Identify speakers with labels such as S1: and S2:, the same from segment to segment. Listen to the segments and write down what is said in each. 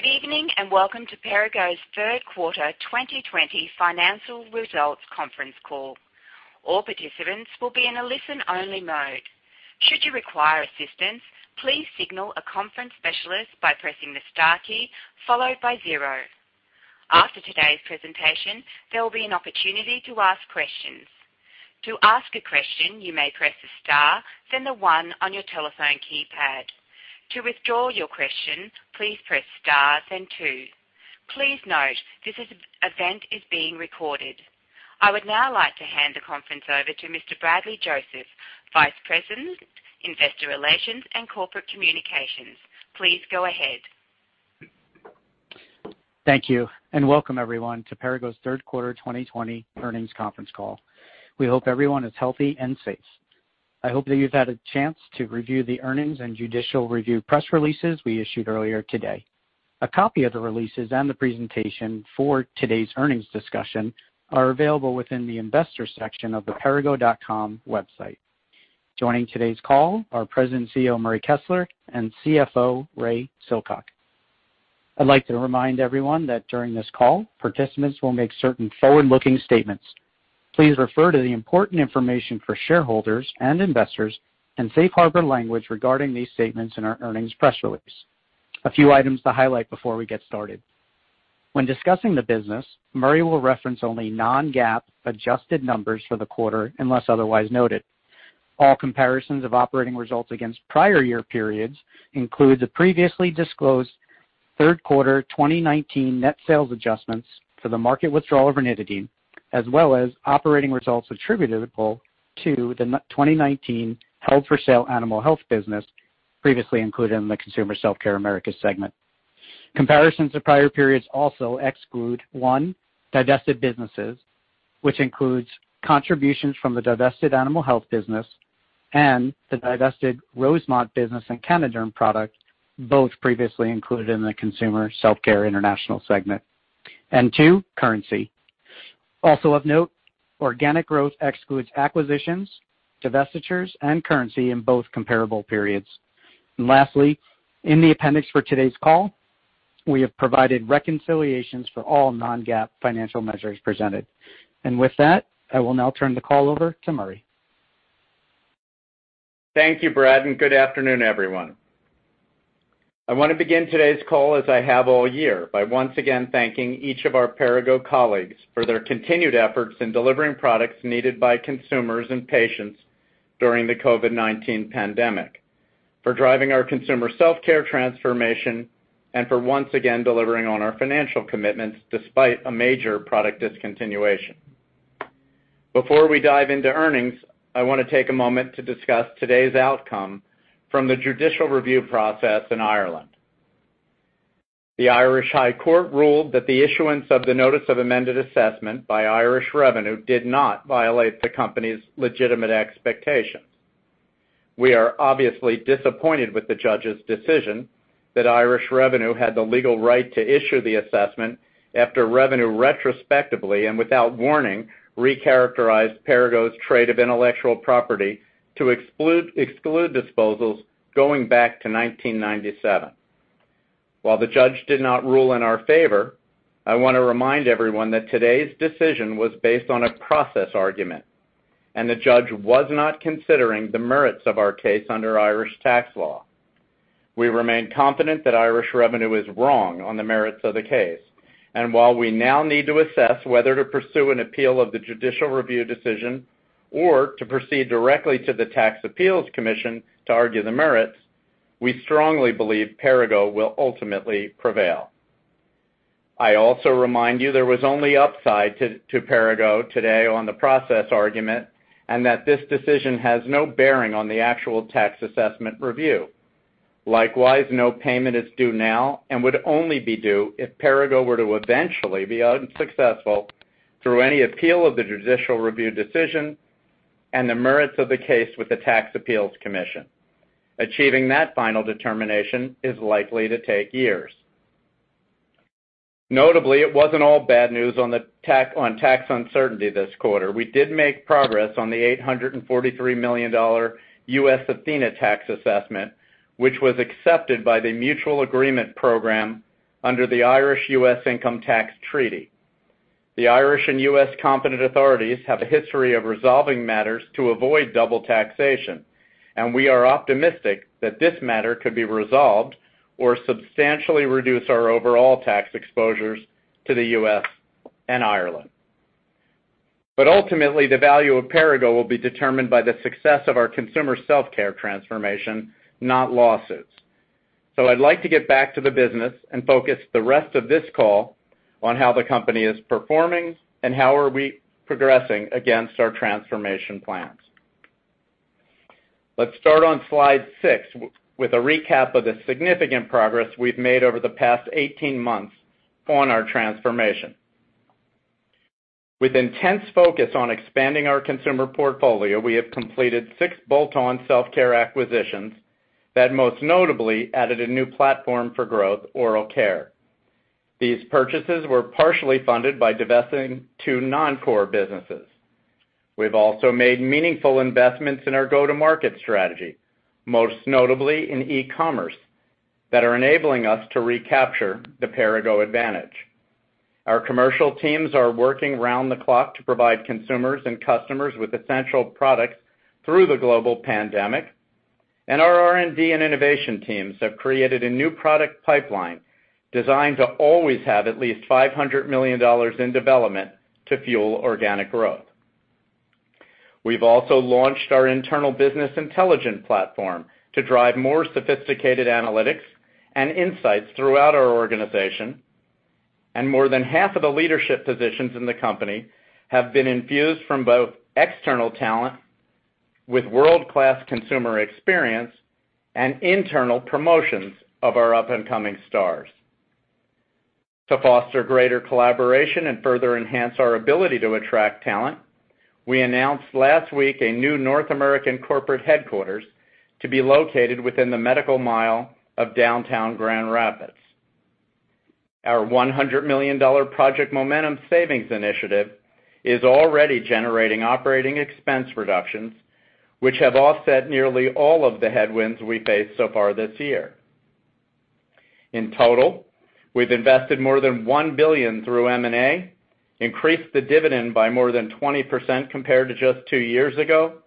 S1: Good evening, and welcome to Perrigo's third quarter 2020 financial results conference call. All participants will be in a listen-only mode. Should you require assistance, please signal a conference specialist by pressing the star key, followed by zero. After today's presentation, there will be an opportunity to ask questions. To ask a question, you may press the star, then the one on your telephone keypad. To restore your question, please press star, then two. Please note, this event is being recorded. I would now like to hand the conference over to Mr. Bradley Joseph, Vice President, Investor Relations and Corporate Communications. Please go ahead.
S2: Thank you. Welcome everyone to Perrigo's third quarter 2020 earnings conference call. We hope everyone is healthy and safe. I hope that you've had a chance to review the earnings and judicial review press releases we issued earlier today. A copy of the releases and the presentation for today's earnings discussion are available within the investors section of the perrigo.com website. Joining today's call are President, CEO, Murray Kessler, and CFO, Ray Silcock. I'd like to remind everyone that during this call, participants will make certain forward-looking statements. Please refer to the important information for shareholders and investors and safe harbor language regarding these statements in our earnings press release. A few items to highlight before we get started. When discussing the business, Murray will reference only non-GAAP adjusted numbers for the quarter unless otherwise noted. All comparisons of operating results against prior year periods include the previously disclosed third quarter 2019 net sales adjustments for the market withdrawal of ranitidine, as well as operating results attributable to the 2019 held-for-sale Animal Health business previously included in the Consumer Self-Care Americas segment. Comparisons to prior periods also exclude, one, divested businesses, which includes contributions from the divested Animal Health business and the divested Rosemont business and Canoderm product, both previously included in the Consumer Self-Care International segment. Two, currency. Also of note, organic growth excludes acquisitions, divestitures, and currency in both comparable periods. Lastly, in the appendix for today's call, we have provided reconciliations for all non-GAAP financial measures presented. With that, I will now turn the call over to Murray.
S3: Thank you, Brad. Good afternoon, everyone. I want to begin today's call as I have all year by once again thanking each of our Perrigo colleagues for their continued efforts in delivering products needed by consumers and patients during the COVID-19 pandemic, for driving our consumer self-care transformation, and for once again delivering on our financial commitments despite a major product discontinuation. Before we dive into earnings, I want to take a moment to discuss today's outcome from the judicial review process in Ireland. The Irish High Court ruled that the issuance of the notice of amended assessment by Irish Revenue did not violate the company's legitimate expectations. We are obviously disappointed with the judge's decision that Irish Revenue had the legal right to issue the assessment after Revenue retrospectively and without warning recharacterized Perrigo's trade of intellectual property to exclude disposals going back to 1997. While the judge did not rule in our favor, I want to remind everyone that today's decision was based on a process argument, and the judge was not considering the merits of our case under Irish tax law. We remain confident that Irish Revenue is wrong on the merits of the case, and while we now need to assess whether to pursue an appeal of the judicial review decision or to proceed directly to the Tax Appeals Commission to argue the merits, we strongly believe Perrigo will ultimately prevail. I also remind you there was only upside to Perrigo today on the process argument, and that this decision has no bearing on the actual tax assessment review. Likewise, no payment is due now and would only be due if Perrigo were to eventually be unsuccessful through any appeal of the judicial review decision and the merits of the case with the Tax Appeals Commission. Achieving that final determination is likely to take years. Notably, it wasn't all bad news on tax uncertainty this quarter. We did make progress on the $843 million U.S. Athena tax assessment, which was accepted by the Mutual Agreement Program under the Irish U.S. Income Tax Treaty. The Irish and U.S. competent authorities have a history of resolving matters to avoid double taxation, and we are optimistic that this matter could be resolved or substantially reduce our overall tax exposures to the U.S. and Ireland. Ultimately, the value of Perrigo will be determined by the success of our Consumer Self-Care transformation, not losses. I'd like to get back to the business and focus the rest of this call on how the company is performing and how are we progressing against our transformation plans. Let's start on slide six with a recap of the significant progress we've made over the past 18 months on our transformation. With intense focus on expanding our consumer portfolio, we have completed six bolt-on self-care acquisitions that most notably added a new platform for growth, oral care. These purchases were partially funded by divesting two non-core businesses. We've also made meaningful investments in our go-to-market strategy, most notably in e-commerce, that are enabling us to recapture the Perrigo advantage. Our commercial teams are working round the clock to provide consumers and customers with essential products through the global pandemic, and our R&D and innovation teams have created a new product pipeline designed to always have at least $500 million in development to fuel organic growth. We've also launched our internal business intelligence platform to drive more sophisticated analytics and insights throughout our organization. More than half of the leadership positions in the company have been infused from both external talent with world-class consumer experience and internal promotions of our up-and-coming stars. To foster greater collaboration and further enhance our ability to attract talent, we announced last week a new North American corporate headquarters to be located within the Medical Mile of downtown Grand Rapids. Our $100 million Project Momentum savings initiative is already generating operating expense reductions, which have offset nearly all of the headwinds we faced so far this year. In total, we've invested more than $1 billion through M&A, increased the dividend by more than 20% compared to just two years ago,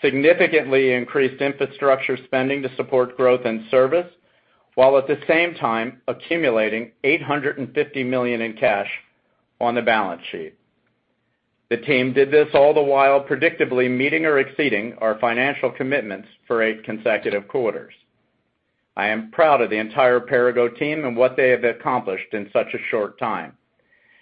S3: significantly increased infrastructure spending to support growth and service, while at the same time accumulating $850 million in cash on the balance sheet. The team did this all the while predictably meeting or exceeding our financial commitments for eight consecutive quarters. I am proud of the entire Perrigo team and what they have accomplished in such a short time.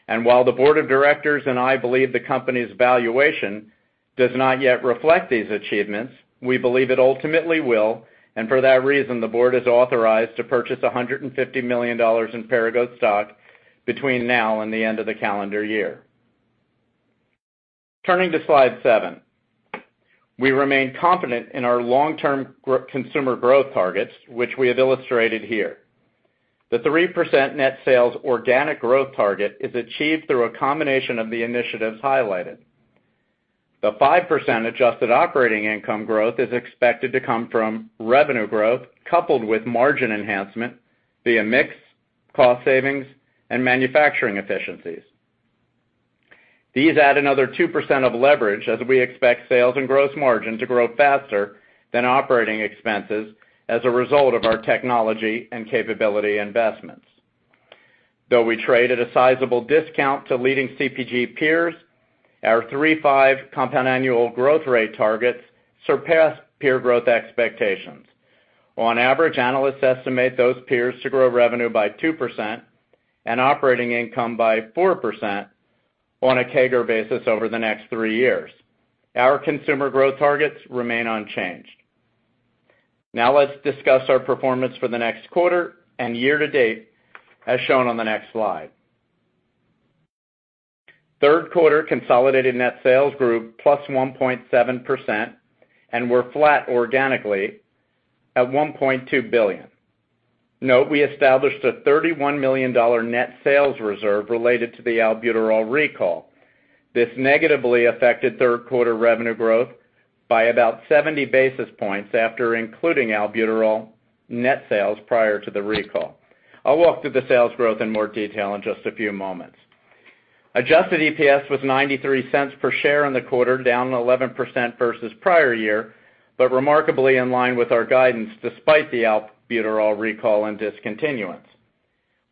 S3: While the Board of Directors and I believe the company's valuation does not yet reflect these achievements, we believe it ultimately will. For that reason, the Board has authorized to purchase $150 million in Perrigo stock between now and the end of the calendar year. Turning to slide seven. We remain confident in our long-term consumer growth targets, which we have illustrated here. The 3% net sales organic growth target is achieved through a combination of the initiatives highlighted. The 5% adjusted operating income growth is expected to come from revenue growth coupled with margin enhancement via mix, cost savings, and manufacturing efficiencies. These add another 2% of leverage as we expect sales and gross margin to grow faster than operating expenses as a result of our technology and capability investments. Though we trade at a sizable discount to leading CPG peers, our three-five compound annual growth rate targets surpass peer growth expectations. On average, analysts estimate those peers to grow revenue by 2% and operating income by 4% on a CAGR basis over the next three years. Our consumer growth targets remain unchanged. Now let's discuss our performance for the next quarter and year-to-date as shown on the next slide. Third quarter consolidated net sales grew +1.7% and were flat organically at $1.2 billion. Note, we established a $31 million net sales reserve related to the albuterol recall. This negatively affected third quarter revenue growth by about 70 basis points after including albuterol net sales prior to the recall. I'll walk through the sales growth in more detail in just a few moments. Adjusted EPS was $0.93 per share in the quarter, down 11% versus prior year, but remarkably in line with our guidance despite the albuterol recall and discontinuance.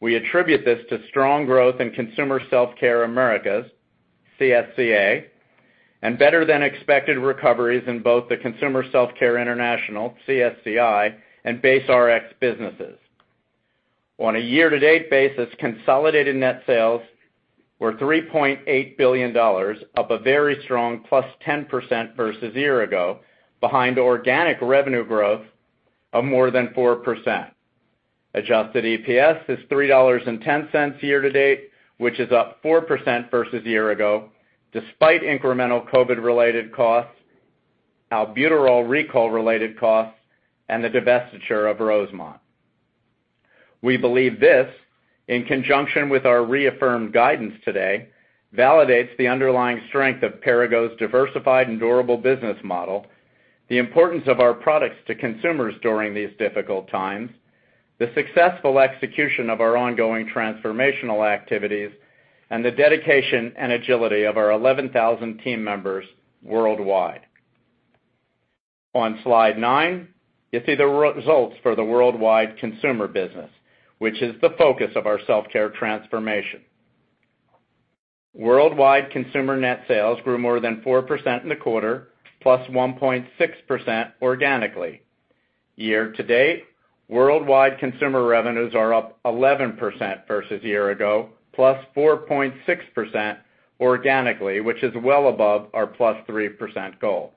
S3: We attribute this to strong growth in Consumer Self-Care Americas, CSCA, and better than expected recoveries in both the Consumer Self-Care International, CSCI, and Base Rx businesses. On a year-to-date basis, consolidated net sales were $3.8 billion, up a very strong +10% versus a year ago, behind organic revenue growth of more than 4%. Adjusted EPS is $3.10 year-to-date, which is up 4% versus a year ago, despite incremental COVID-related costs, albuterol recall-related costs and the divestiture of Rosemont. We believe this, in conjunction with our reaffirmed guidance today, validates the underlying strength of Perrigo's diversified and durable business model, the importance of our products to consumers during these difficult times, the successful execution of our ongoing transformational activities, and the dedication and agility of our 11,000 team members worldwide. On slide nine, you see the results for the worldwide consumer business, which is the focus of our self-care transformation. Worldwide consumer net sales grew more than 4% in the quarter, plus 1.6% organically. Year-to-date, worldwide consumer revenues are up 11% versus a year ago, plus 4.6% organically, which is well above our plus 3% goal.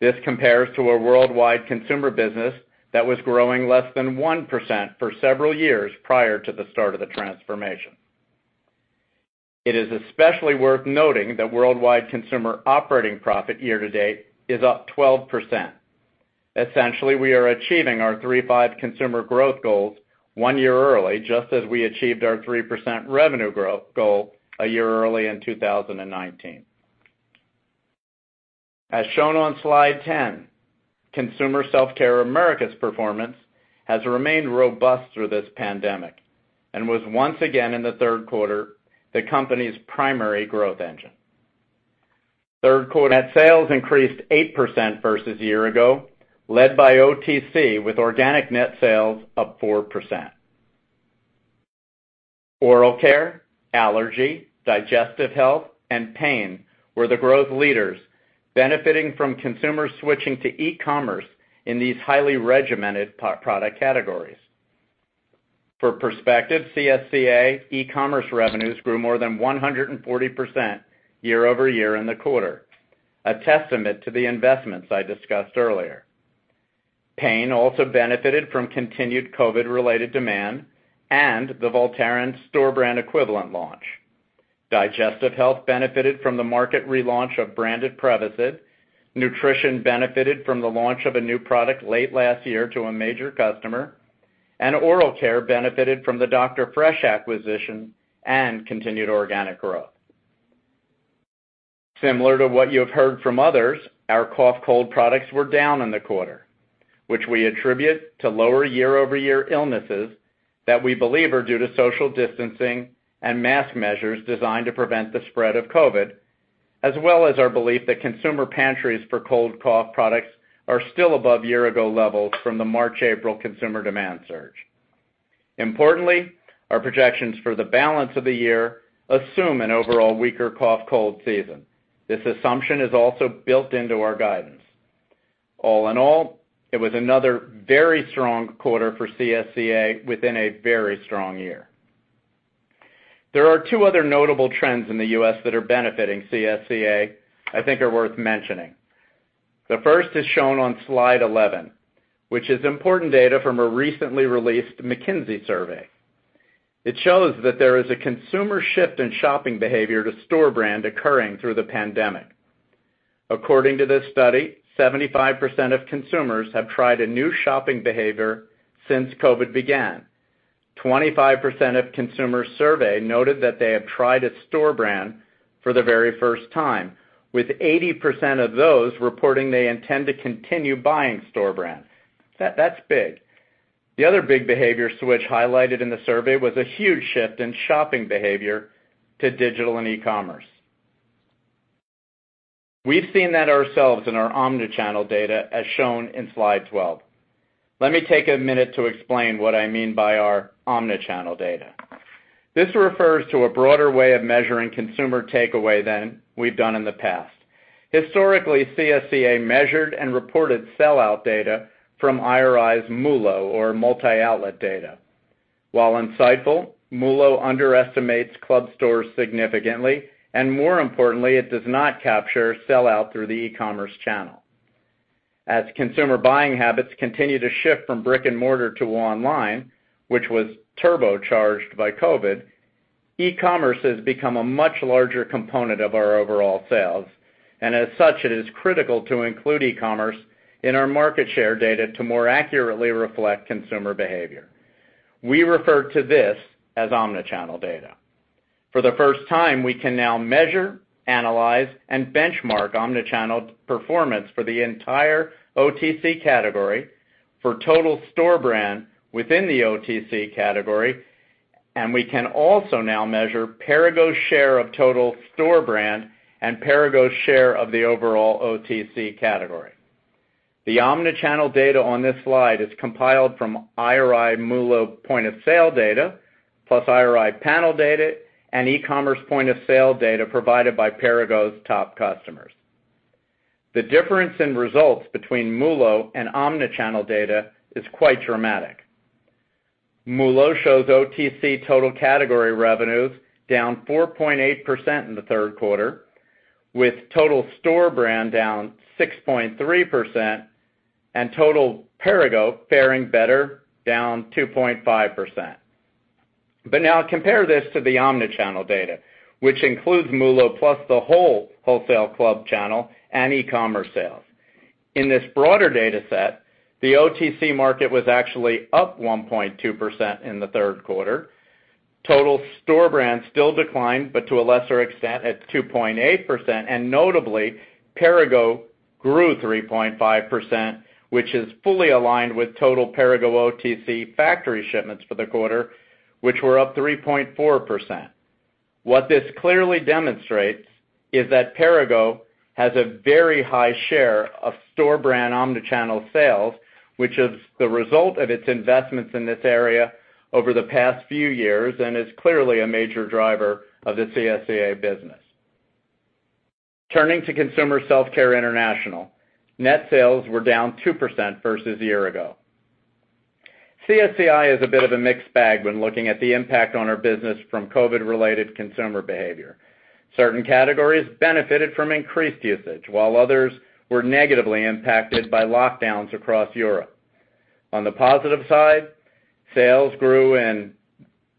S3: This compares to a worldwide consumer business that was growing less than 1% for several years prior to the start of the transformation. It is especially worth noting that worldwide consumer operating profit year-to-date is up 12%. Essentially, we are achieving our 3/5 consumer growth goals one year early, just as we achieved our 3% revenue growth goal one year early in 2019. As shown on slide 10, Consumer Self-Care Americas' performance has remained robust through this pandemic and was once again in the third quarter, the company's primary growth engine. Third quarter net sales increased 8% versus a year-ago, led by OTC with organic net sales up 4%. Oral care, allergy, digestive health, and pain were the growth leaders, benefiting from consumers switching to e-commerce in these highly regimented product categories. For perspective, CSCA e-commerce revenues grew more than 140% year-over-year in the quarter, a testament to the investments I discussed earlier. Pain also benefited from continued COVID-related demand and the Voltaren store brand equivalent launch. Digestive health benefited from the market relaunch of branded Prevacid. Nutrition benefited from the launch of a new product late last year to a major customer, and oral care benefited from the Dr. Fresh acquisition and continued organic growth. Similar to what you have heard from others, our cough cold products were down in the quarter, which we attribute to lower year-over-year illnesses that we believe are due to social distancing and mask measures designed to prevent the spread of COVID, as well as our belief that consumer pantries for cold-cough products are still above year-ago levels from the March, April consumer demand surge. Importantly, our projections for the balance of the year assume an overall weaker cough, cold season. This assumption is also built into our guidance. All in all, it was another very strong quarter for CSCA within a very strong year. There are two other notable trends in the U.S. that are benefiting CSCA I think are worth mentioning. The first is shown on slide 11, which is important data from a recently released McKinsey survey. It shows that there is a consumer shift in shopping behavior to store brand occurring through the pandemic. According to this study, 75% of consumers have tried a new shopping behavior since COVID began. 25% of consumers surveyed noted that they have tried a store brand for the very first time, with 80% of those reporting they intend to continue buying store brand. That's big. The other big behavior switch highlighted in the survey was a huge shift in shopping behavior to digital and e-commerce. We've seen that ourselves in our omni-channel data, as shown in slide 12. Let me take a minute to explain what I mean by our omni-channel data. This refers to a broader way of measuring consumer takeaway than we've done in the past. Historically, CSCA measured and reported sellout data from IRI's MULO or (multi-outlet) data. While insightful, MULO underestimates club stores significantly, and more importantly, it does not capture sellout through the e-commerce channel. As consumer buying habits continue to shift from brick and mortar to online, which was turbocharged by COVID, e-commerce has become a much larger component of our overall sales, and as such, it is critical to include e-commerce in our market share data to more accurately reflect consumer behavior. We refer to this as omni-channel data. For the first time, we can now measure, analyze, and benchmark omni-channel performance for the entire OTC category for total store brand within the OTC category, and we can also now measure Perrigo's share of total store brand and Perrigo's share of the overall OTC category. The omni-channel data on this slide is compiled from IRI MULO Point of Sale data, plus IRI panel data and e-commerce point of sale data provided by Perrigo's top customers. The difference in results between MULO and omni-channel data is quite dramatic. MULO shows OTC total category revenues down 4.8% in the third quarter, with total store brand down 6.3%, and total Perrigo faring better, down 2.5%. Now compare this to the omni-channel data, which includes MULO+ the whole wholesale club channel and e-commerce sales. In this broader data set, the OTC market was actually up 1.2% in the third quarter. Total store brands still declined, but to a lesser extent, at 2.8%, and notably, Perrigo grew 3.5%, which is fully aligned with total Perrigo OTC factory shipments for the quarter, which were up 3.4%. What this clearly demonstrates is that Perrigo has a very high share of store brand omni-channel sales, which is the result of its investments in this area over the past few years and is clearly a major driver of the CSCA business. Turning to Consumer Self-Care International. Net sales were down 2% versus a year ago. CSCI is a bit of a mixed bag when looking at the impact on our business from COVID-related consumer behavior. Certain categories benefited from increased usage, while others were negatively impacted by lockdowns across Europe. On the positive side, sales grew in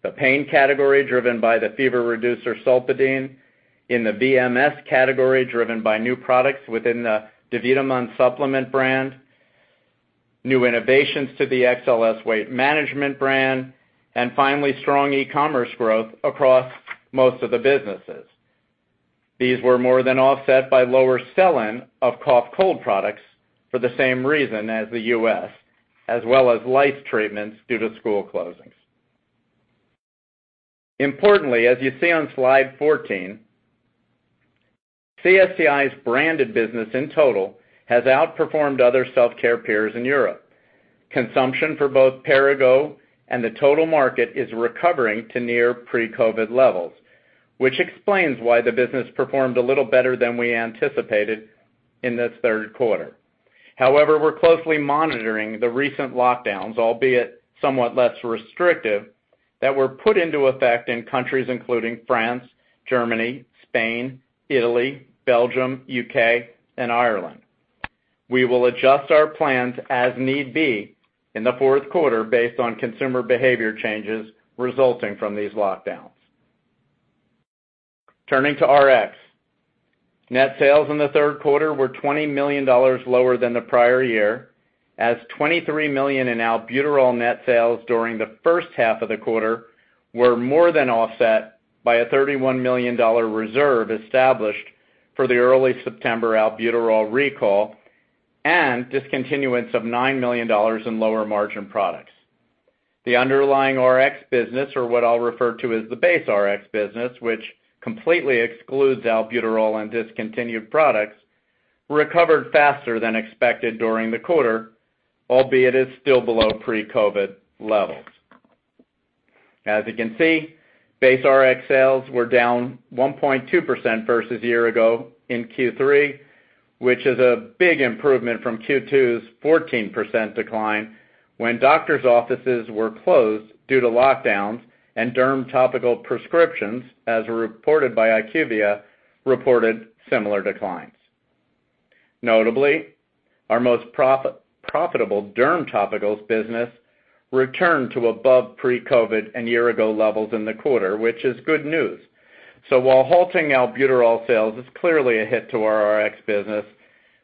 S3: the pain category, driven by the fever reducer, Solpadeine, in the VMS category, driven by new products within the Davitamon supplement brand, new innovations to the XLS weight management brand, and finally, strong e-commerce growth across most of the businesses. These were more than offset by lower sell-in of cough, cold products for the same reason as the U.S., as well as lice treatments due to school closings. Importantly, as you see on slide 14, CSCI's branded business in total has outperformed other self-care peers in Europe. Consumption for both Perrigo and the total market is recovering to near pre-COVID levels, which explains why the business performed a little better than we anticipated in this third quarter. We're closely monitoring the recent lockdowns, albeit somewhat less restrictive, that were put into effect in countries including France, Germany, Spain, Italy, Belgium, U.K. and Ireland. We will adjust our plans as need be in the fourth quarter based on consumer behavior changes resulting from these lockdowns. Turning to Rx. Net sales in the third quarter were $20 million lower than the prior year, as $23 million in albuterol net sales during the first half of the quarter were more than offset by a $31 million reserve established for the early September albuterol recall and discontinuance of $9 million in lower margin products. The underlying Rx business, or what I'll refer to as the base Rx business, which completely excludes albuterol and discontinued products, recovered faster than expected during the quarter, albeit is still below pre-COVID-19 levels. As you can see, base Rx sales were down 1.2% versus a year ago in Q3, which is a big improvement from Q2's 14% decline when doctor's offices were closed due to lockdowns and derm topical prescriptions, as reported by IQVIA, reported similar declines. Notably, our most profitable derm topicals business returned to above pre-COVID-19 and year-ago levels in the quarter, which is good news. While halting albuterol sales is clearly a hit to our Rx business,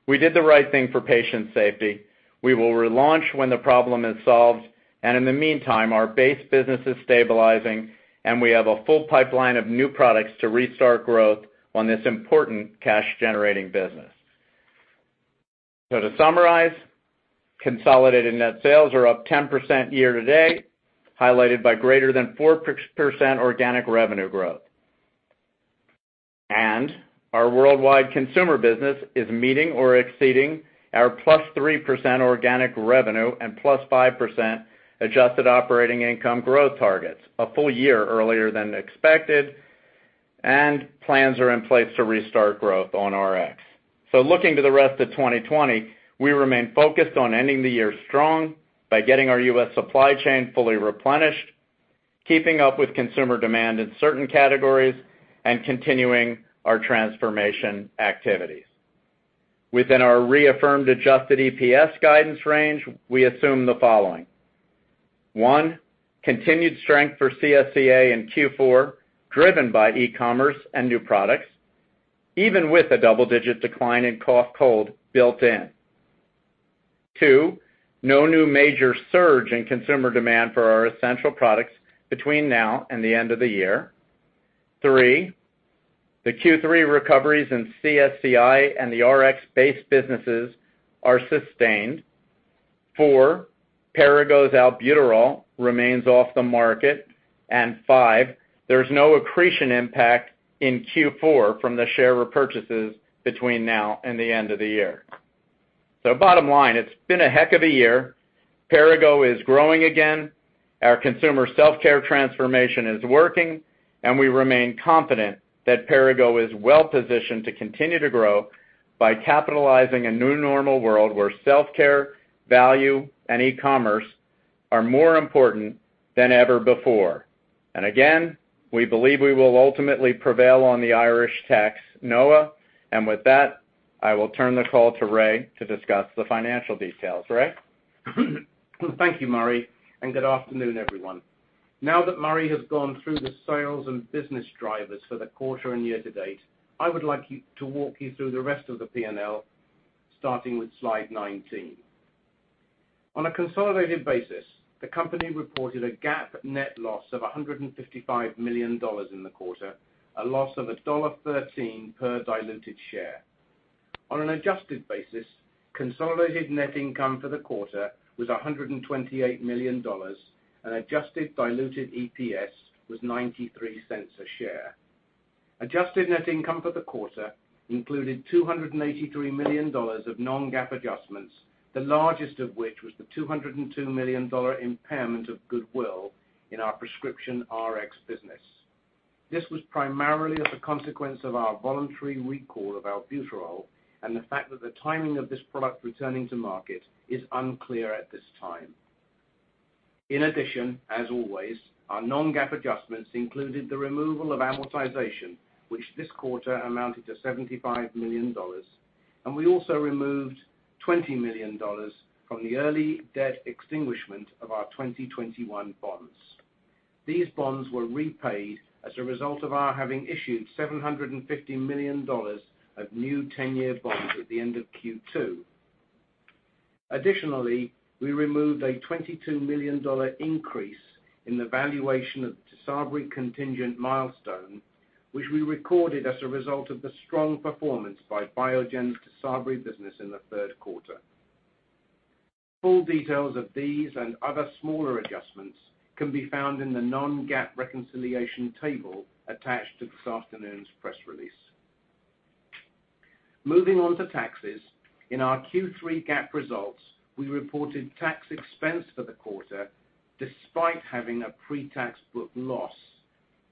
S3: we did the right thing for patient safety. We will relaunch when the problem is solved, and in the meantime, our base business is stabilizing, and we have a full pipeline of new products to restart growth on this important cash-generating business. To summarize, consolidated net sales are up 10% year-to-date, highlighted by greater than 4% organic revenue growth. Our worldwide consumer business is meeting or exceeding our +3% organic revenue and +5% adjusted operating income growth targets a full year earlier than expected, and plans are in place to restart growth on Rx. Looking to the rest of 2020, we remain focused on ending the year strong by getting our U.S. supply chain fully replenished, keeping up with consumer demand in certain categories, and continuing our transformation activities. Within our reaffirmed adjusted EPS guidance range, we assume the following. 1, continued strength for CSCA in Q4, driven by e-commerce and new products, even with a double-digit decline in cough, cold built in. 2, no new major surge in consumer demand for our essential products between now and the end of the year. 3, the Q3 recoveries in CSCI and the Rx base businesses are sustained. 4, Perrigo's albuterol remains off the market. 5, there's no accretion impact in Q4 from the share repurchases between now and the end of the year. Bottom line, it's been a heck of a year. Perrigo is growing again. Our consumer self-care transformation is working. We remain confident that Perrigo is well positioned to continue to grow by capitalizing a new normal world where self-care, value and e-commerce are more important than ever before. Again, we believe we will ultimately prevail on the Irish tax NOA. With that, I will turn the call to Ray to discuss the financial details. Ray?
S4: Thank you, Murray, and good afternoon, everyone. Now that Murray has gone through the sales and business drivers for the quarter and year-to-date, I would like to walk you through the rest of the P&L, starting with slide 19. On a consolidated basis, the company reported a GAAP net loss of $155 million in the quarter, a loss of a $1.13 per diluted share. On an adjusted basis, consolidated net income for the quarter was $128 million and adjusted diluted EPS was $0.93 a share. Adjusted net income for the quarter included $283 million of non-GAAP adjustments, the largest of which was the $202 million impairment of goodwill in our prescription Rx business. This was primarily as a consequence of our voluntary recall of albuterol and the fact that the timing of this product returning to market is unclear at this time. As always, our non-GAAP adjustments included the removal of amortization, which this quarter amounted to $75 million. We also removed $20 million from the early debt extinguishment of our 2021 bonds. These bonds were repaid as a result of our having issued $750 million of new 10-year bonds at the end of Q2. Additionally, we removed a $22 million increase in the valuation of the Tysabri contingent milestone, which we recorded as a result of the strong performance by Biogen's Tysabri business in the third quarter. Full details of these and other smaller adjustments can be found in the non-GAAP reconciliation table attached to this afternoon's press release. Moving on to taxes. In our Q3 GAAP results, we reported tax expense for the quarter despite having a pre-tax book loss.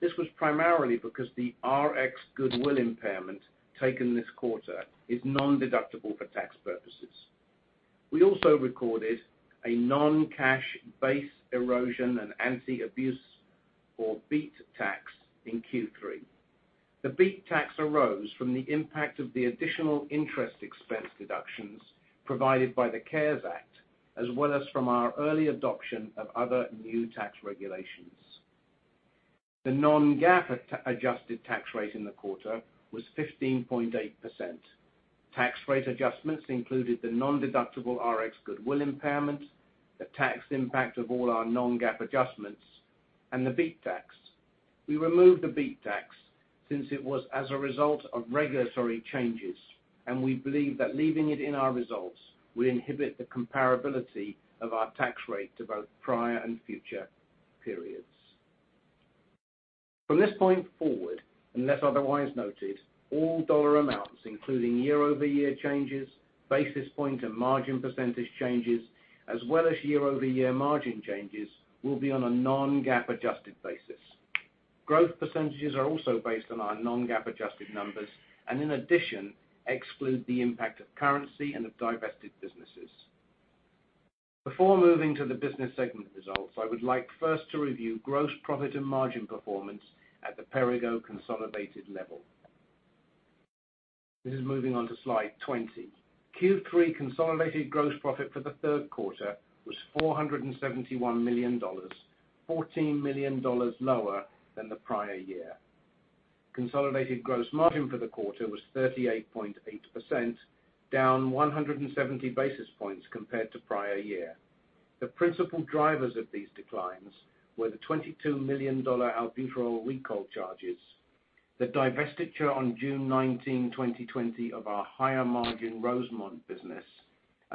S4: This was primarily because the Rx goodwill impairment taken this quarter is non-deductible for tax purposes. We also recorded a non-cash base erosion and anti-abuse, or BEAT tax in Q3. The BEAT tax arose from the impact of the additional interest expense deductions provided by the CARES Act, as well as from our early adoption of other new tax regulations. The non-GAAP adjusted tax rate in the quarter was 15.8%. Tax rate adjustments included the non-deductible Rx goodwill impairment, the tax impact of all our non-GAAP adjustments, and the BEAT tax. We removed the BEAT tax since it was as a result of regulatory changes, and we believe that leaving it in our results would inhibit the comparability of our tax rate to both prior and future periods. From this point forward, unless otherwise noted, all dollar amounts, including year-over-year changes, basis point and margin percentage changes, as well as year-over-year margin changes, will be on a non-GAAP adjusted basis. Growth percentages are also based on our non-GAAP adjusted numbers, and in addition, exclude the impact of currency and of divested businesses. Before moving to the business segment results, I would like first to review gross profit and margin performance at the Perrigo consolidated level. This is moving on to slide 20. Q3 consolidated gross profit for the third quarter was $471 million, $14 million lower than the prior year. Consolidated gross margin for the quarter was 38.8%, down 170 basis points compared to prior year. The principal drivers of these declines were the $22 million albuterol recall charges, the divestiture on June 19, 2020, of our higher margin Rosemont business,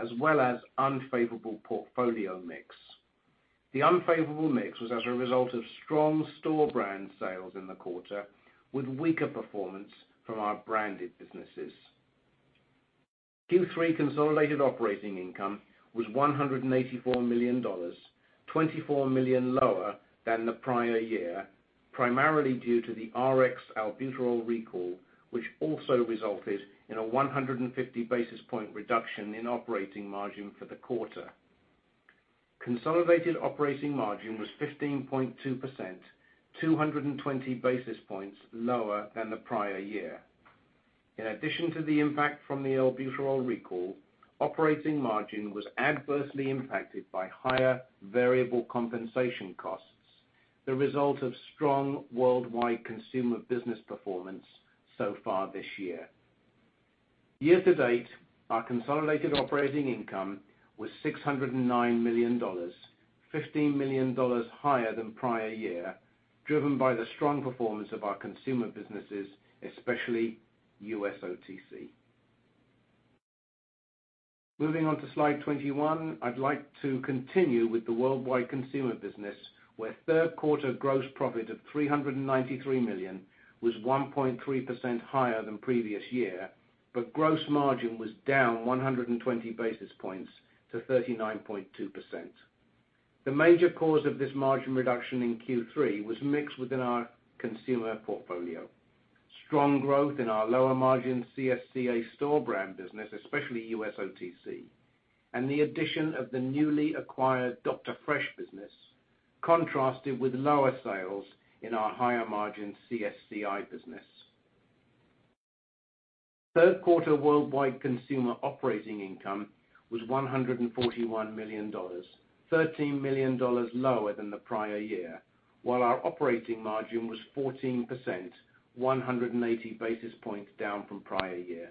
S4: as well as unfavorable portfolio mix. The unfavorable mix was as a result of strong store brand sales in the quarter, with weaker performance from our branded businesses. Q3 consolidated operating income was $184 million, $24 million lower than the prior year, primarily due to the Rx albuterol recall, which also resulted in a 150 basis point reduction in operating margin for the quarter. Consolidated operating margin was 15.2%, 220 basis points lower than the prior year. In addition to the impact from the albuterol recall, operating margin was adversely impacted by higher variable compensation costs, the result of strong worldwide consumer business performance so far this year. Year-to-date, our consolidated operating income was $609 million, $15 million higher than prior year, driven by the strong performance of our consumer businesses, especially U.S. OTC. Moving on to slide 21. I'd like to continue with the worldwide consumer business, where third quarter gross profit of $393 million was 1.3% higher than previous year, but gross margin was down 120 basis points to 39.2%. The major cause of this margin reduction in Q3 was mixed within our consumer portfolio. Strong growth in our lower margin CSCA store brand business, especially U.S. OTC, and the addition of the newly acquired Dr. Fresh business contrasted with lower sales in our higher margin CSCI business. Third quarter worldwide consumer operating income was $141 million, $13 million lower than the prior year, while our operating margin was 14%, 180 basis points down from prior year.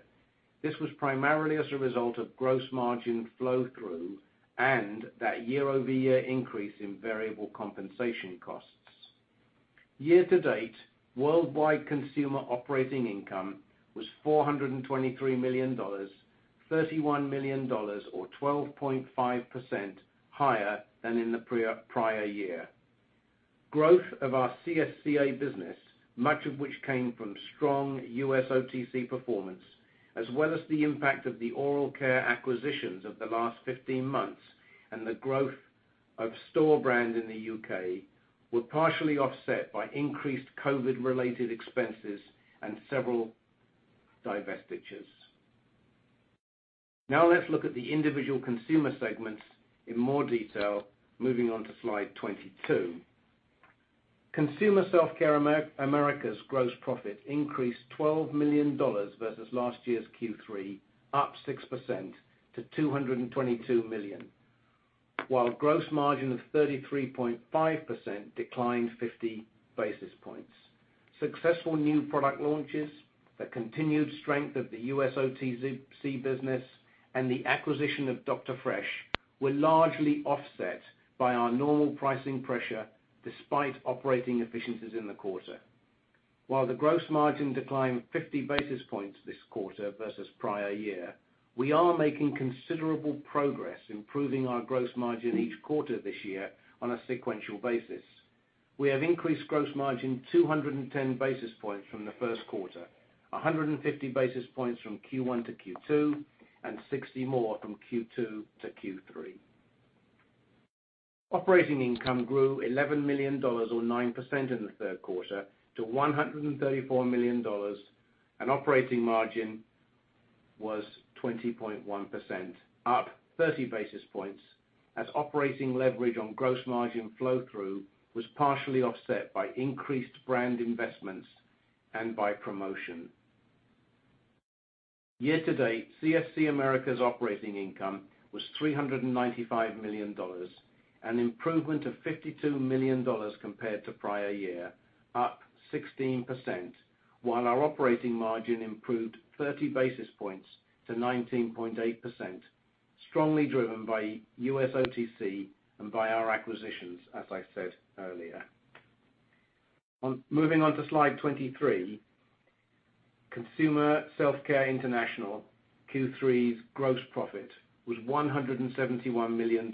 S4: This was primarily as a result of gross margin flow-through and that year-over-year increase in variable compensation costs. year-to-date, worldwide consumer operating income was $423 million, $31 million or 12.5% higher than in the prior year. Growth of our CSCA business, much of which came from strong U.S. OTC performance, as well as the impact of the oral care acquisitions of the last 15 months and the growth of store brand in the U.K., were partially offset by increased COVID related expenses and several divestitures. Let's look at the individual consumer segments in more detail, moving on to slide 22. Consumer Self-Care Americas' gross profit increased $12 million versus last year's Q3, up 6% to $222 million, while gross margin of 33.5% declined 50 basis points. Successful new product launches, the continued strength of the U.S. OTC business, and the acquisition of Dr. Fresh were largely offset by our normal pricing pressure despite operating efficiencies in the quarter. While the gross margin declined 50 basis points this quarter versus prior year, we are making considerable progress improving our gross margin each quarter this year on a sequential basis. We have increased gross margin 210 basis points from the first quarter, 150 basis points from Q1-Q2, and 60 more from Q2-Q3. Operating income grew $11 million, or 9%, in the third quarter to $134 million, and operating margin was 20.1%, up 30 basis points as operating leverage on gross margin flow-through was partially offset by increased brand investments and by promotion. Year-to-date, CSC America's operating income was $395 million, an improvement of $52 million compared to prior year, up 16%, while our operating margin improved 30 basis points to 19.8%, strongly driven by U.S. OTC and by our acquisitions, as I said earlier. Moving on to slide 23. Consumer Self-Care International Q3's gross profit was $171 million,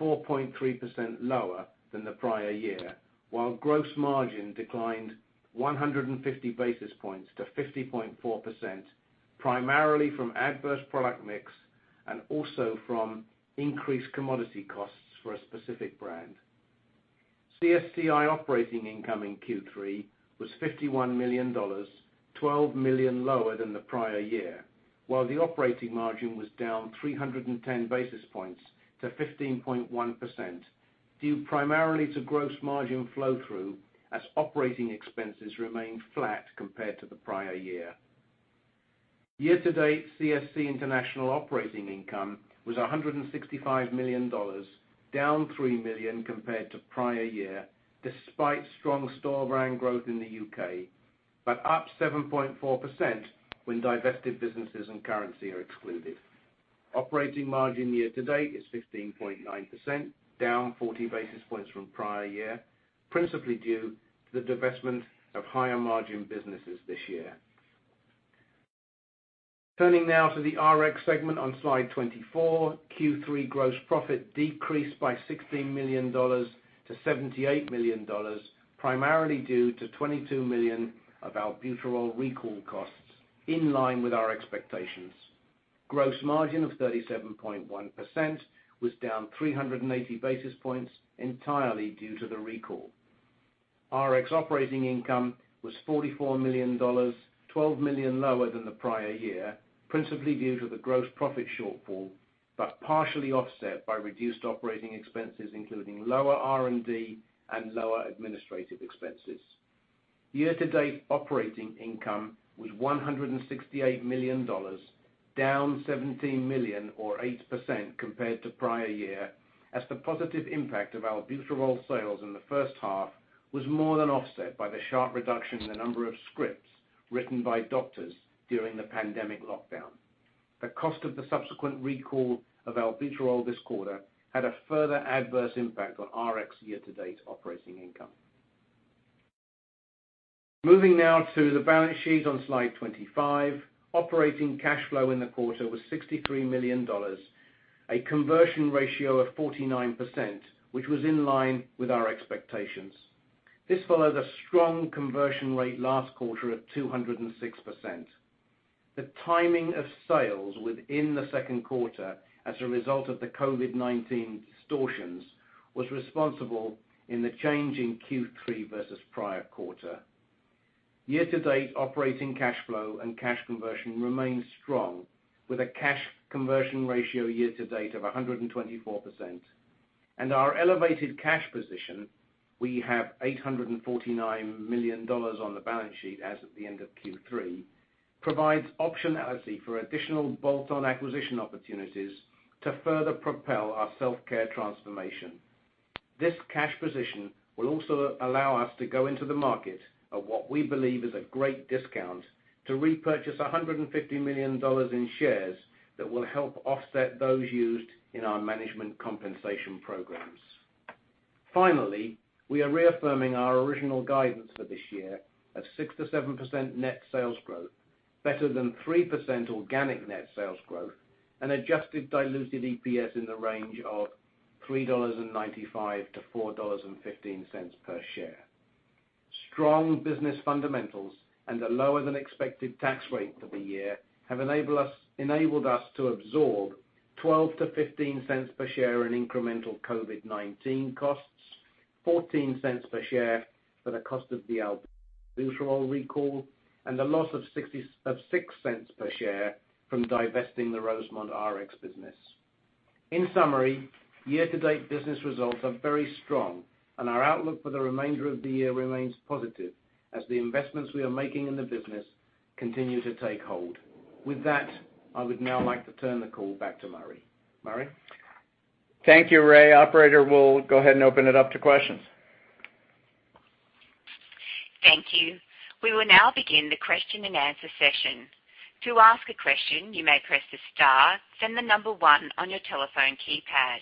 S4: 4.3% lower than the prior year, while gross margin declined 150 basis points to 50.4%, primarily from adverse product mix and also from increased commodity costs for a specific brand. CSCI operating income in Q3 was $51 million, $12 million lower than the prior year, while the operating margin was down 310 basis points to 15.1%, due primarily to gross margin flow-through as operating expenses remained flat compared to the prior year. Year-to-date, CSC International operating income was $165 million, down $3 million compared to prior year, up 7.4% when divested businesses and currency are excluded. Operating margin year-to-date is 15.9%, down 40 basis points from prior year, principally due to the divestment of higher margin businesses this year. Turning now to the Rx segment on Slide 24. Q3 gross profit decreased by $16 million to $78 million, primarily due to $22 million of albuterol recall costs, in line with our expectations. Gross margin of 37.1% was down 380 basis points, entirely due to the recall. Rx operating income was $44 million, $12 million lower than the prior year, principally due to the gross profit shortfall, partially offset by reduced operating expenses, including lower R&D and lower administrative expenses. year-to-date operating income was $168 million, down $17 million, or 8%, compared to prior year, as the positive impact of albuterol sales in the first half was more than offset by the sharp reduction in the number of scripts written by doctors during the pandemic lockdown. The cost of the subsequent recall of albuterol this quarter had a further adverse impact on Rx year-to-date operating income. Moving now to the balance sheet on slide 25. Operating cash flow in the quarter was $63 million, a conversion ratio of 49%, which was in line with our expectations. This follows a strong conversion rate last quarter of 206%. The timing of sales within the second quarter as a result of the COVID-19 distortions, was responsible in the change in Q3 versus prior quarter. Year-to-date, operating cash flow and cash conversion remains strong, with a cash conversion ratio year-to-date of 124%, and our elevated cash position, we have $849 million on the balance sheet as of the end of Q3, provides optionality for additional bolt-on acquisition opportunities to further propel our self-care transformation. This cash position will also allow us to go into the market at what we believe is a great discount to repurchase $150 million in shares that will help offset those used in our management compensation programs. Finally, we are reaffirming our original guidance for this year of 6%-7% net sales growth, better than 3% organic net sales growth, and adjusted diluted EPS in the range of $3.95-$4.15 per share. Strong business fundamentals and a lower than expected tax rate for the year have enabled us to absorb $0.12-$0.15 per share in incremental COVID-19 costs. $0.14 per share for the cost of the albuterol recall, and a loss of $0.06 per share from divesting the Rosemont Rx business. In summary, year-to-date business results are very strong, and our outlook for the remainder of the year remains positive as the investments we are making in the business continue to take hold. With that, I would now like to turn the call back to Murray. Murray?
S3: Thank you, Ray. Operator, we'll go ahead and open it up to questions.
S1: Thank you. We will now begin the question-and-answer session. To ask a question, you may press the star, then the number one on your telephone keypad.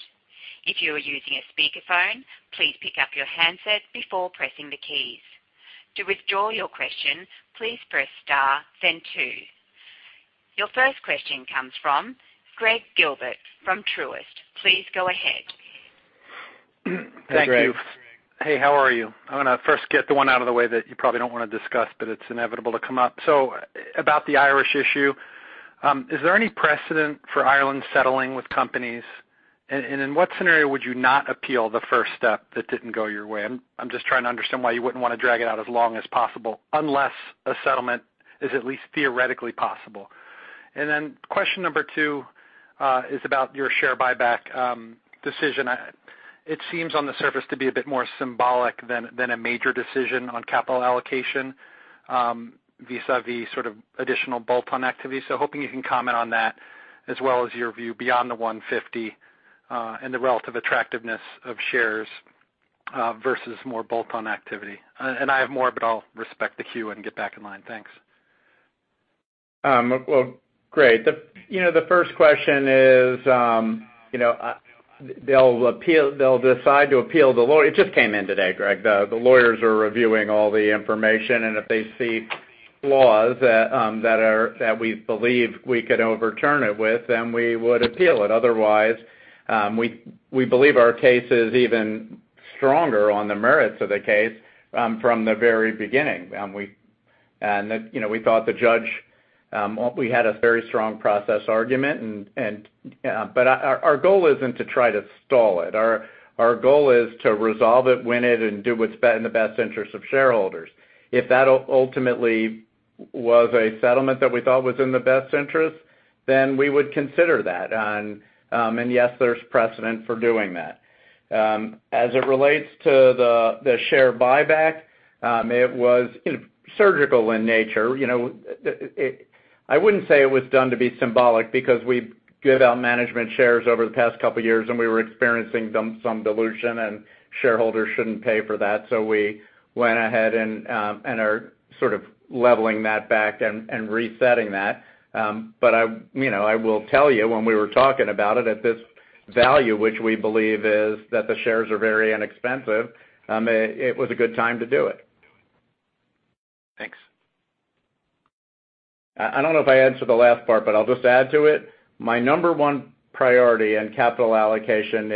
S1: If you are using a speakerphone, please pick up your handset before pressing the keys. To withdraw your question, please press star, then two. Your first question comes from Gregg Gilbert from Truist. Please go ahead.
S3: Hey, Gregg.
S5: Hey, how are you? I'm going to first get the one out of the way that you probably don't want to discuss, but it's inevitable to come up. About the Irish issue, is there any precedent for Ireland settling with companies? In what scenario would you not appeal the first step that didn't go your way? I'm just trying to understand why you wouldn't want to drag it out as long as possible unless a settlement is at least theoretically possible. Question number 2 is about your share buyback decision. It seems on the surface to be a bit more symbolic than a major decision on capital allocation vis-a-vis sort of additional bolt-on activity. Hoping you can comment on that, as well as your view beyond the $150 and the relative attractiveness of shares versus more bolt-on activity. I have more, but I'll respect the queue and get back in line. Thanks.
S3: Well, great. The first question is, they'll decide to appeal the ruling. It just came in today, Gregg. The lawyers are reviewing all the information, and if they see flaws that we believe we could overturn it with, then we would appeal it. Otherwise, we believe our case is even stronger on the merits of the case from the very beginning. We thought the judge, we had a very strong process argument. Our goal isn't to try to stall it. Our goal is to resolve it, win it, and do what's in the best interest of shareholders. If that ultimately was a settlement that we thought was in the best interest, then we would consider that. Yes, there's precedent for doing that. As it relates to the share buyback, it was surgical in nature. I wouldn't say it was done to be symbolic because we give out management shares over the past couple of years, and we were experiencing some dilution, and shareholders shouldn't pay for that. We went ahead and are sort of leveling that back and resetting that. I will tell you, when we were talking about it, at this value, which we believe is that the shares are very inexpensive, it was a good time to do it.
S5: Thanks.
S3: I don't know if I answered the last part, but I'll just add to it. My number one priority in capital allocation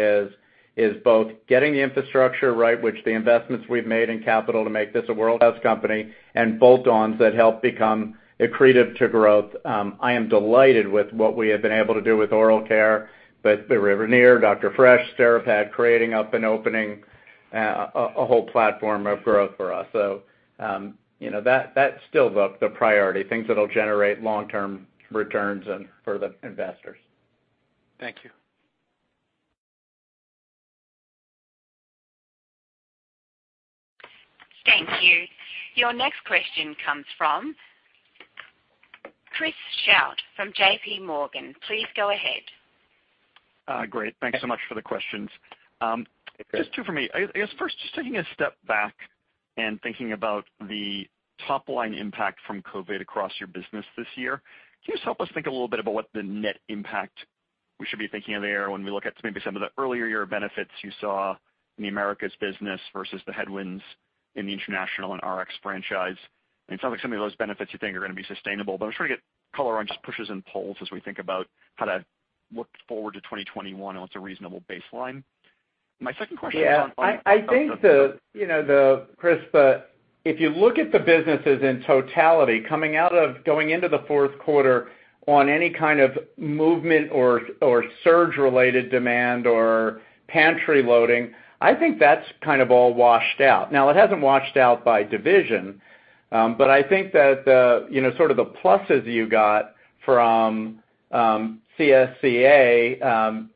S3: is both getting the infrastructure right, which the investments we've made in capital to make this a world-class company, and bolt-ons that help become accretive to growth. I am delighted with what we have been able to do with oral care, with Ranir, Dr. Fresh, Steripod, creating up and opening a whole platform of growth for us. That's still the priority, things that'll generate long-term returns for the investors.
S5: Thank you.
S1: Thank you. Your next question comes from Chris Schott from JPMorgan. Please go ahead.
S6: Great. Thanks so much for the questions.
S3: Hey, Chris.
S6: Just two for me. I guess first, just taking a step back and thinking about the top-line impact from COVID across your business this year, can you just help us think a little bit about what the net impact we should be thinking of there when we look at maybe some of the earlier year benefits you saw in the Americas business versus the headwinds in the international and Rx franchise? It sounds like some of those benefits you think are going to be sustainable, but I'm trying to get color on just pushes and pulls as we think about how to look forward to 2021 and what's a reasonable baseline. My second question is on-
S3: I think, Chris, if you look at the businesses in totality, coming out of going into the fourth quarter on any kind of movement or surge-related demand or pantry loading, I think that's kind of all washed out. It hasn't washed out by division, but I think that the pluses you got from CSCA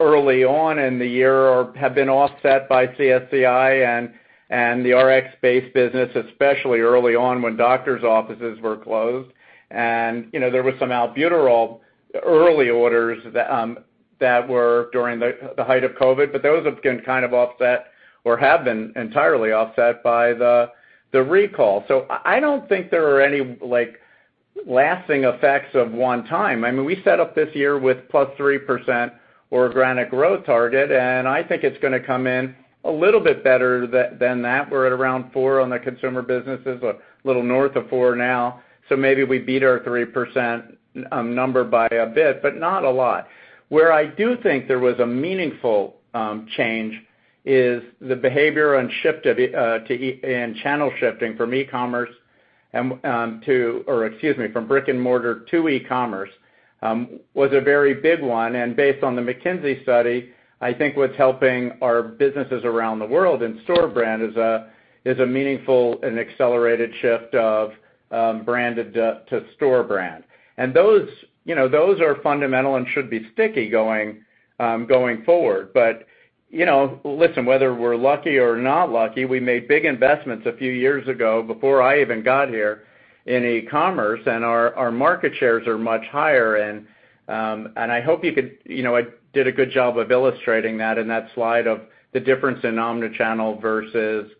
S3: early on in the year have been offset by CSCI and the Rx-based business, especially early on when doctors' offices were closed. There was some albuterol early orders that were during the height of COVID, but those have been kind of offset or have been entirely offset by the recall. I don't think there are any lasting effects of one-time. We set up this year with +3% organic growth target, and I think it's going to come in a little bit better than that. We're at around four on the consumer businesses, a little north of four now. Maybe we beat our 3% number by a bit, but not a lot. Where I do think there was a meaningful change is the behavior and channel shifting from brick-and-mortar to e-commerce, was a very big one. Based on the McKinsey study, I think what's helping our businesses around the world in store brand is a meaningful and accelerated shift of branded to store brand. Those are fundamental and should be sticky going forward. Listen, whether we're lucky or not lucky, we made big investments a few years ago before I even got here in e-commerce, and our market shares are much higher and I hope I did a good job of illustrating that in that slide of the difference in omni-channel versus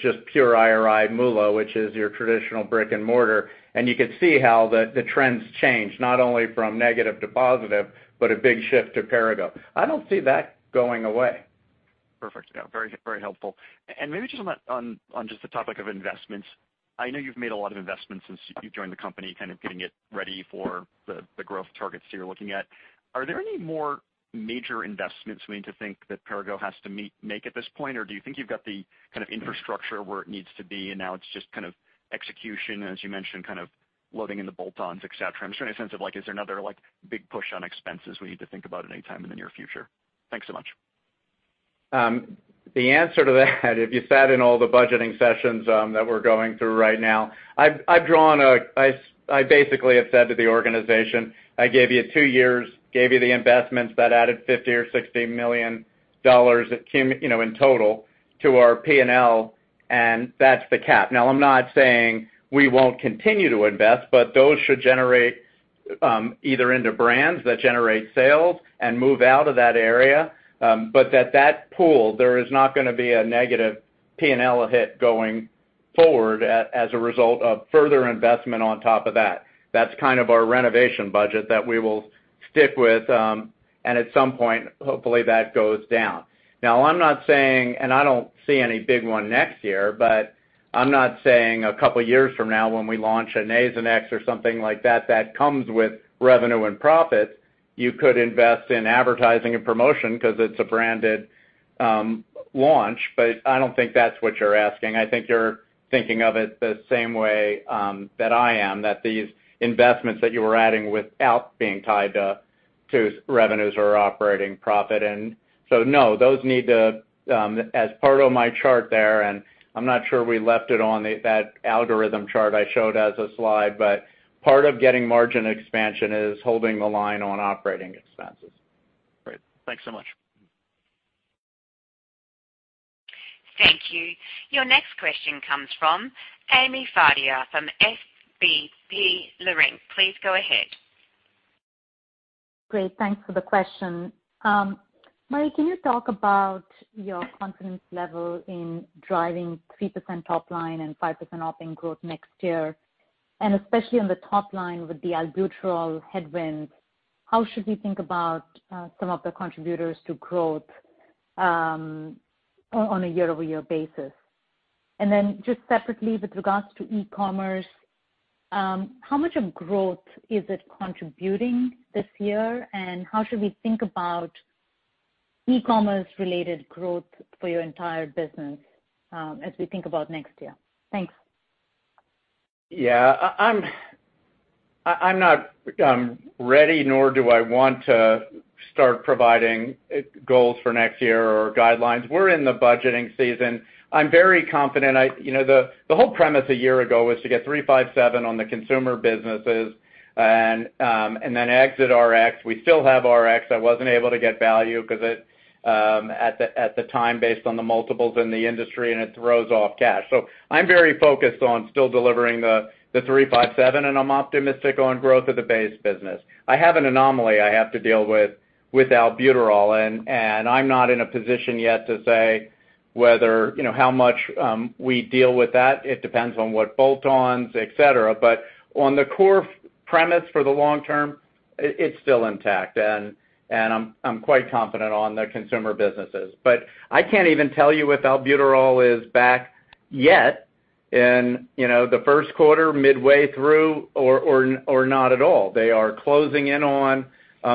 S3: just pure IRI MULO, which is your traditional brick-and-mortar. You could see how the trends change, not only from negative to positive, but a big shift to Perrigo. I don't see that going away.
S6: Perfect. Yeah, very helpful. Maybe just on just the topic of investments. I know you've made a lot of investments since you've joined the company, kind of getting it ready for the growth targets that you're looking at. Are there any more major investments we need to think that Perrigo has to make at this point? Or do you think you've got the kind of infrastructure where it needs to be, and now it's just kind of execution, as you mentioned, kind of loading in the bolt-ons, et cetera? I'm just trying to get a sense of is there another big push on expenses we need to think about at any time in the near future? Thanks so much.
S3: The answer to that, if you sat in all the budgeting sessions that we're going through right now, I basically have said to the organization, "I gave you two years, gave you the investments that added $50 or $60 million in total to our P&L, and that's the cap." I'm not saying we won't continue to invest, those should generate either into brands that generate sales and move out of that area. That pool, there is not going to be a negative P&L hit going forward as a result of further investment on top of that. That's kind of our renovation budget that we will stick with, at some point, hopefully, that goes down. Now, I'm not saying, and I don't see any big one next year. I'm not saying a couple of years from now when we launch a Nasonex or something like that comes with revenue and profit, you could invest in advertising and promotion because it's a branded launch. I don't think that's what you're asking. I think you're thinking of it the same way that I am, that these investments that you were adding without being tied to revenues or operating profit. No, those need to, as part of my chart there, and I'm not sure we left it on that algorithm chart I showed as a slide. Part of getting margin expansion is holding the line on operating expenses.
S6: Great. Thanks so much.
S1: Thank you. Your next question comes from Ami Fadia from SVB Leerink. Please go ahead.
S7: Great. Thanks for the question. Murray, can you talk about your confidence level in driving 3% top line and 5% op income growth next year, and especially on the top line with the albuterol headwinds, how should we think about some of the contributors to growth on a year-over-year basis? Just separately, with regards to e-commerce, how much of growth is it contributing this year, and how should we think about e-commerce related growth for your entire business as we think about next year? Thanks.
S3: Yeah. I'm not ready, nor do I want to start providing goals for next year or guidelines. We're in the budgeting season. I'm very confident. The whole premise a year ago was to get 3/5/7 on the consumer businesses and then exit Rx. We still have Rx. I wasn't able to get value because at the time, based on the multiples in the industry, and it throws off cash. I'm very focused on still delivering the 3/5/7, and I'm optimistic on growth of the base business. I have an anomaly I have to deal with albuterol, and I'm not in a position yet to say how much we deal with that. It depends on what bolt-ons, et cetera. On the core premise for the long term, it's still intact, and I'm quite confident on the consumer businesses. I can't even tell you if albuterol is back yet in the first quarter, midway through, or not at all. They are closing in on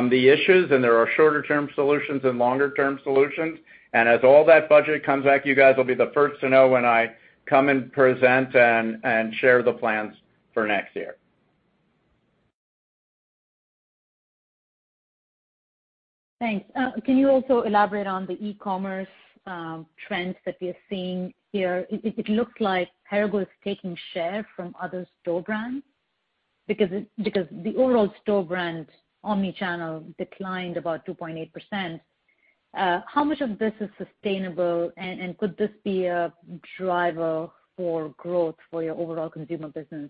S3: the issues, and there are shorter-term solutions and longer-term solutions. As all that budget comes back, you guys will be the first to know when I come and present and share the plans for next year.
S7: Thanks. Can you also elaborate on the e-commerce trends that we are seeing here? It looks like Perrigo is taking share from other store brands because the overall store brand omni-channel declined about 2.8%. How much of this is sustainable, and could this be a driver for growth for your overall consumer business in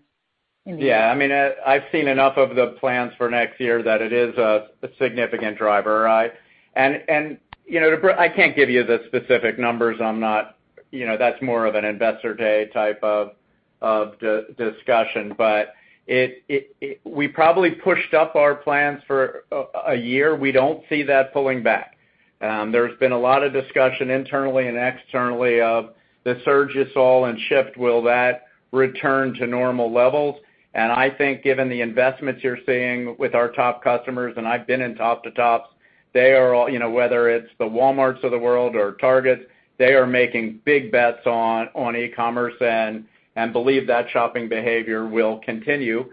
S7: the future?
S3: Yeah. I've seen enough of the plans for next year that it is a significant driver. I can't give you the specific numbers. That's more of an investor day type of discussion. We probably pushed up our plans for a year. We don't see that pulling back. There's been a lot of discussion internally and externally of the surge you saw in shift, will that return to normal levels? I think given the investments you're seeing with our top customers, and I've been in top to tops, whether it's the Walmarts of the world or Targets, they are making big bets on e-commerce and believe that shopping behavior will continue.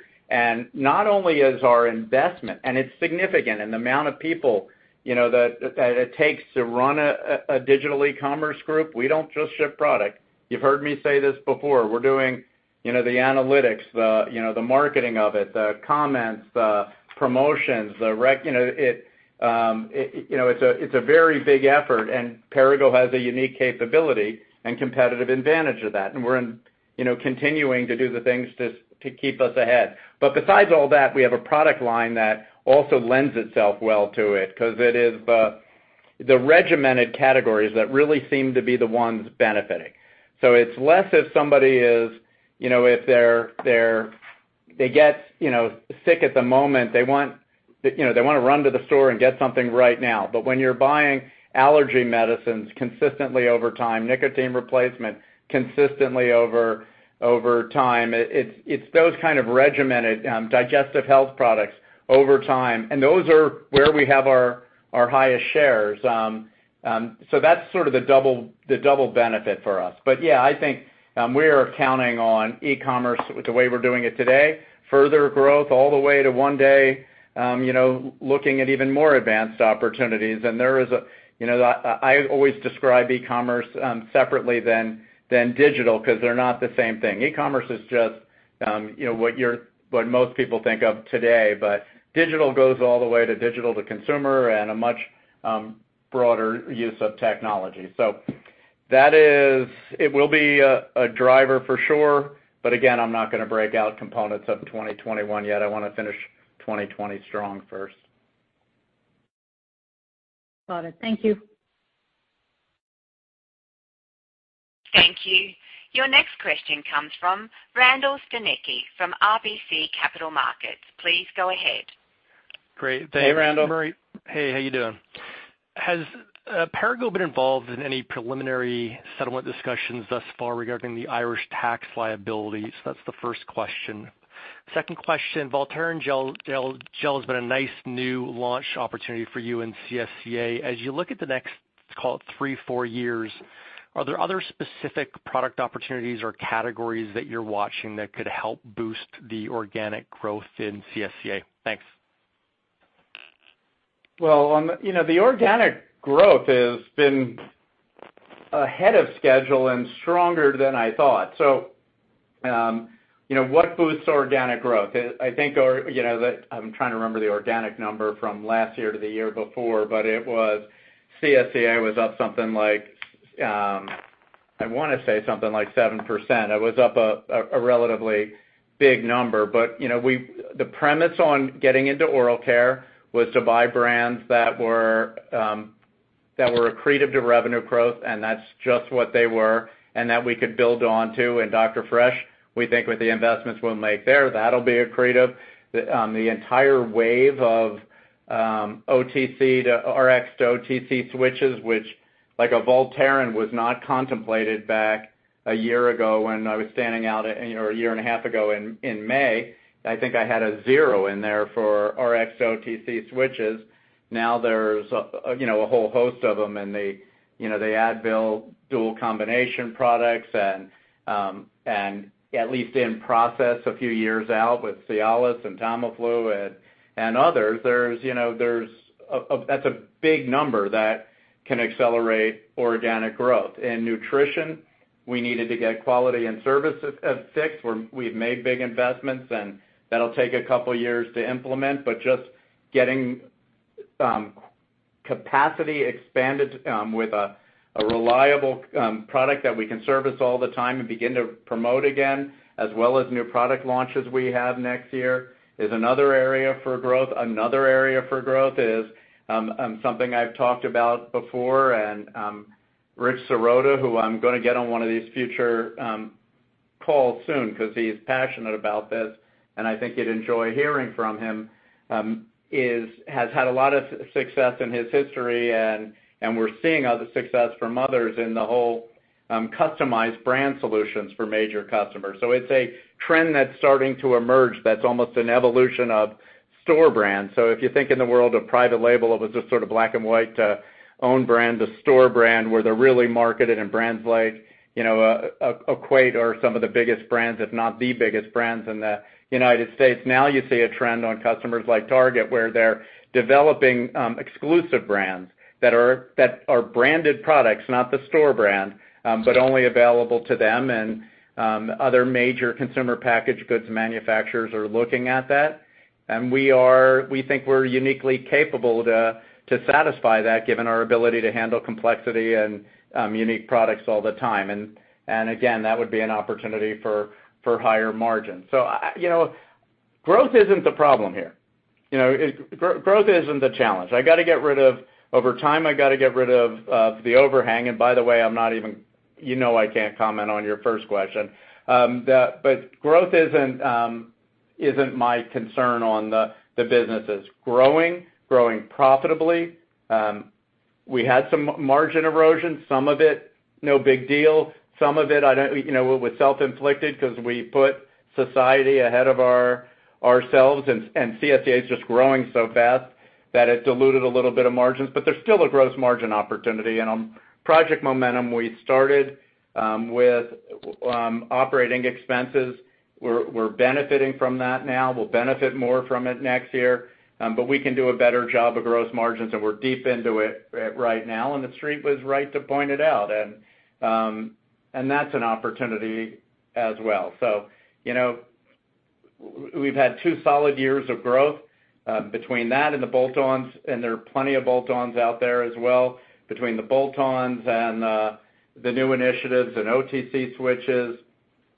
S3: Not only is our investment, and it's significant in the amount of people that it takes to run a digital e-commerce group. We don't just ship product. You've heard me say this before. We're doing the analytics, the marketing of it, the comments, the promotions. It's a very big effort and Perrigo has a unique capability and competitive advantage of that, and we're continuing to do the things to keep us ahead. Besides all that, we have a product line that also lends itself well to it because it is the regimented categories that really seem to be the ones benefiting. It's less if somebody gets sick at the moment, they want to run to the store and get something right now. When you're buying allergy medicines consistently over time, nicotine replacement consistently over time, it's those kind of regimented digestive health products over time. Those are where we have our highest shares. That's sort of the double benefit for us. Yeah, I think we are counting on e-commerce with the way we're doing it today, further growth all the way to one day looking at even more advanced opportunities. I always describe e-commerce separately than digital because they're not the same thing. E-commerce is just what most people think of today, but digital goes all the way to digital to consumer and a much broader use of technology. It will be a driver for sure. Again, I'm not going to break out components of 2021 yet. I want to finish 2020 strong first.
S7: Got it. Thank you.
S1: Thank you. Your next question comes from Randall Stanicky from RBC Capital Markets. Please go ahead.
S8: Great. Thank you, Murray.
S3: Hey, Randall.
S8: Hey, how you doing? Has Perrigo been involved in any preliminary settlement discussions thus far regarding the Irish tax liability? That's the first question. Second question, Voltaren Gel has been a nice new launch opportunity for you in CSCA. As you look at the next, let's call it three, four years, are there other specific product opportunities or categories that you're watching that could help boost the organic growth in CSCA? Thanks.
S3: The organic growth has been ahead of schedule and stronger than I thought. What boosts organic growth? I am trying to remember the organic number from last year to the year before, CSCA was up something like, I want to say something like 7%. It was up a relatively big number. The premise on getting into oral care was to buy brands that were accretive to revenue growth, and that is just what they were, and that we could build onto. Dr. Fresh, we think with the investments we will make there, that will be accretive. The entire wave of OTC to Rx to OTC switches, which like a Voltaren, was not contemplated back a year ago when I was standing out, or a year and a half ago in May. I think I had a zero in there for Rx to OTC switches. Now there's a whole host of them, and the Advil dual combination products and at least in process a few years out with Cialis and Tamiflu and others, that's a big number that can accelerate organic growth. In nutrition, we needed to get quality and services fixed, we've made big investments and that'll take a couple of years to implement, but just getting capacity expanded with a reliable product that we can service all the time and begin to promote again, as well as new product launches we have next year is another area for growth. Another area for growth is something I've talked about before and, Rich Sorota, who I'm going to get on one of these future calls soon because he's passionate about this, and I think you'd enjoy hearing from him, has had a lot of success in his history and we're seeing the success from others in the whole customized brand solutions for major customers. It's a trend that's starting to emerge that's almost an evolution of store brands. If you think in the world of private label, it was just sort of black and white to own brand to store brand where they're really marketed and brands like, Equate are some of the biggest brands, if not the biggest brands in the United States. You see a trend on customers like Target where they're developing exclusive brands that are branded products, not the store brand, but only available to them and other major consumer packaged goods manufacturers are looking at that. We think we're uniquely capable to satisfy that given our ability to handle complexity and unique products all the time. Again, that would be an opportunity for higher margin. Growth isn't the problem here. Growth isn't the challenge. Over time, I got to get rid of the overhang, and by the way, you know I can't comment on your first question. Growth isn't my concern on the businesses growing profitably. We had some margin erosion, some of it, no big deal. Some of it was self-inflicted because we put society ahead of ourselves, CSCA is just growing so fast that it diluted a little bit of margins, there's still a gross margin opportunity. On Project Momentum, we started with operating expenses. We're benefiting from that now. We'll benefit more from it next year. We can do a better job of gross margins, we're deep into it right now, the Street was right to point it out. That's an opportunity as well. We've had two solid years of growth between that and the bolt-ons, there are plenty of bolt-ons out there as well. Between the bolt-ons and the new initiatives and OTC switches,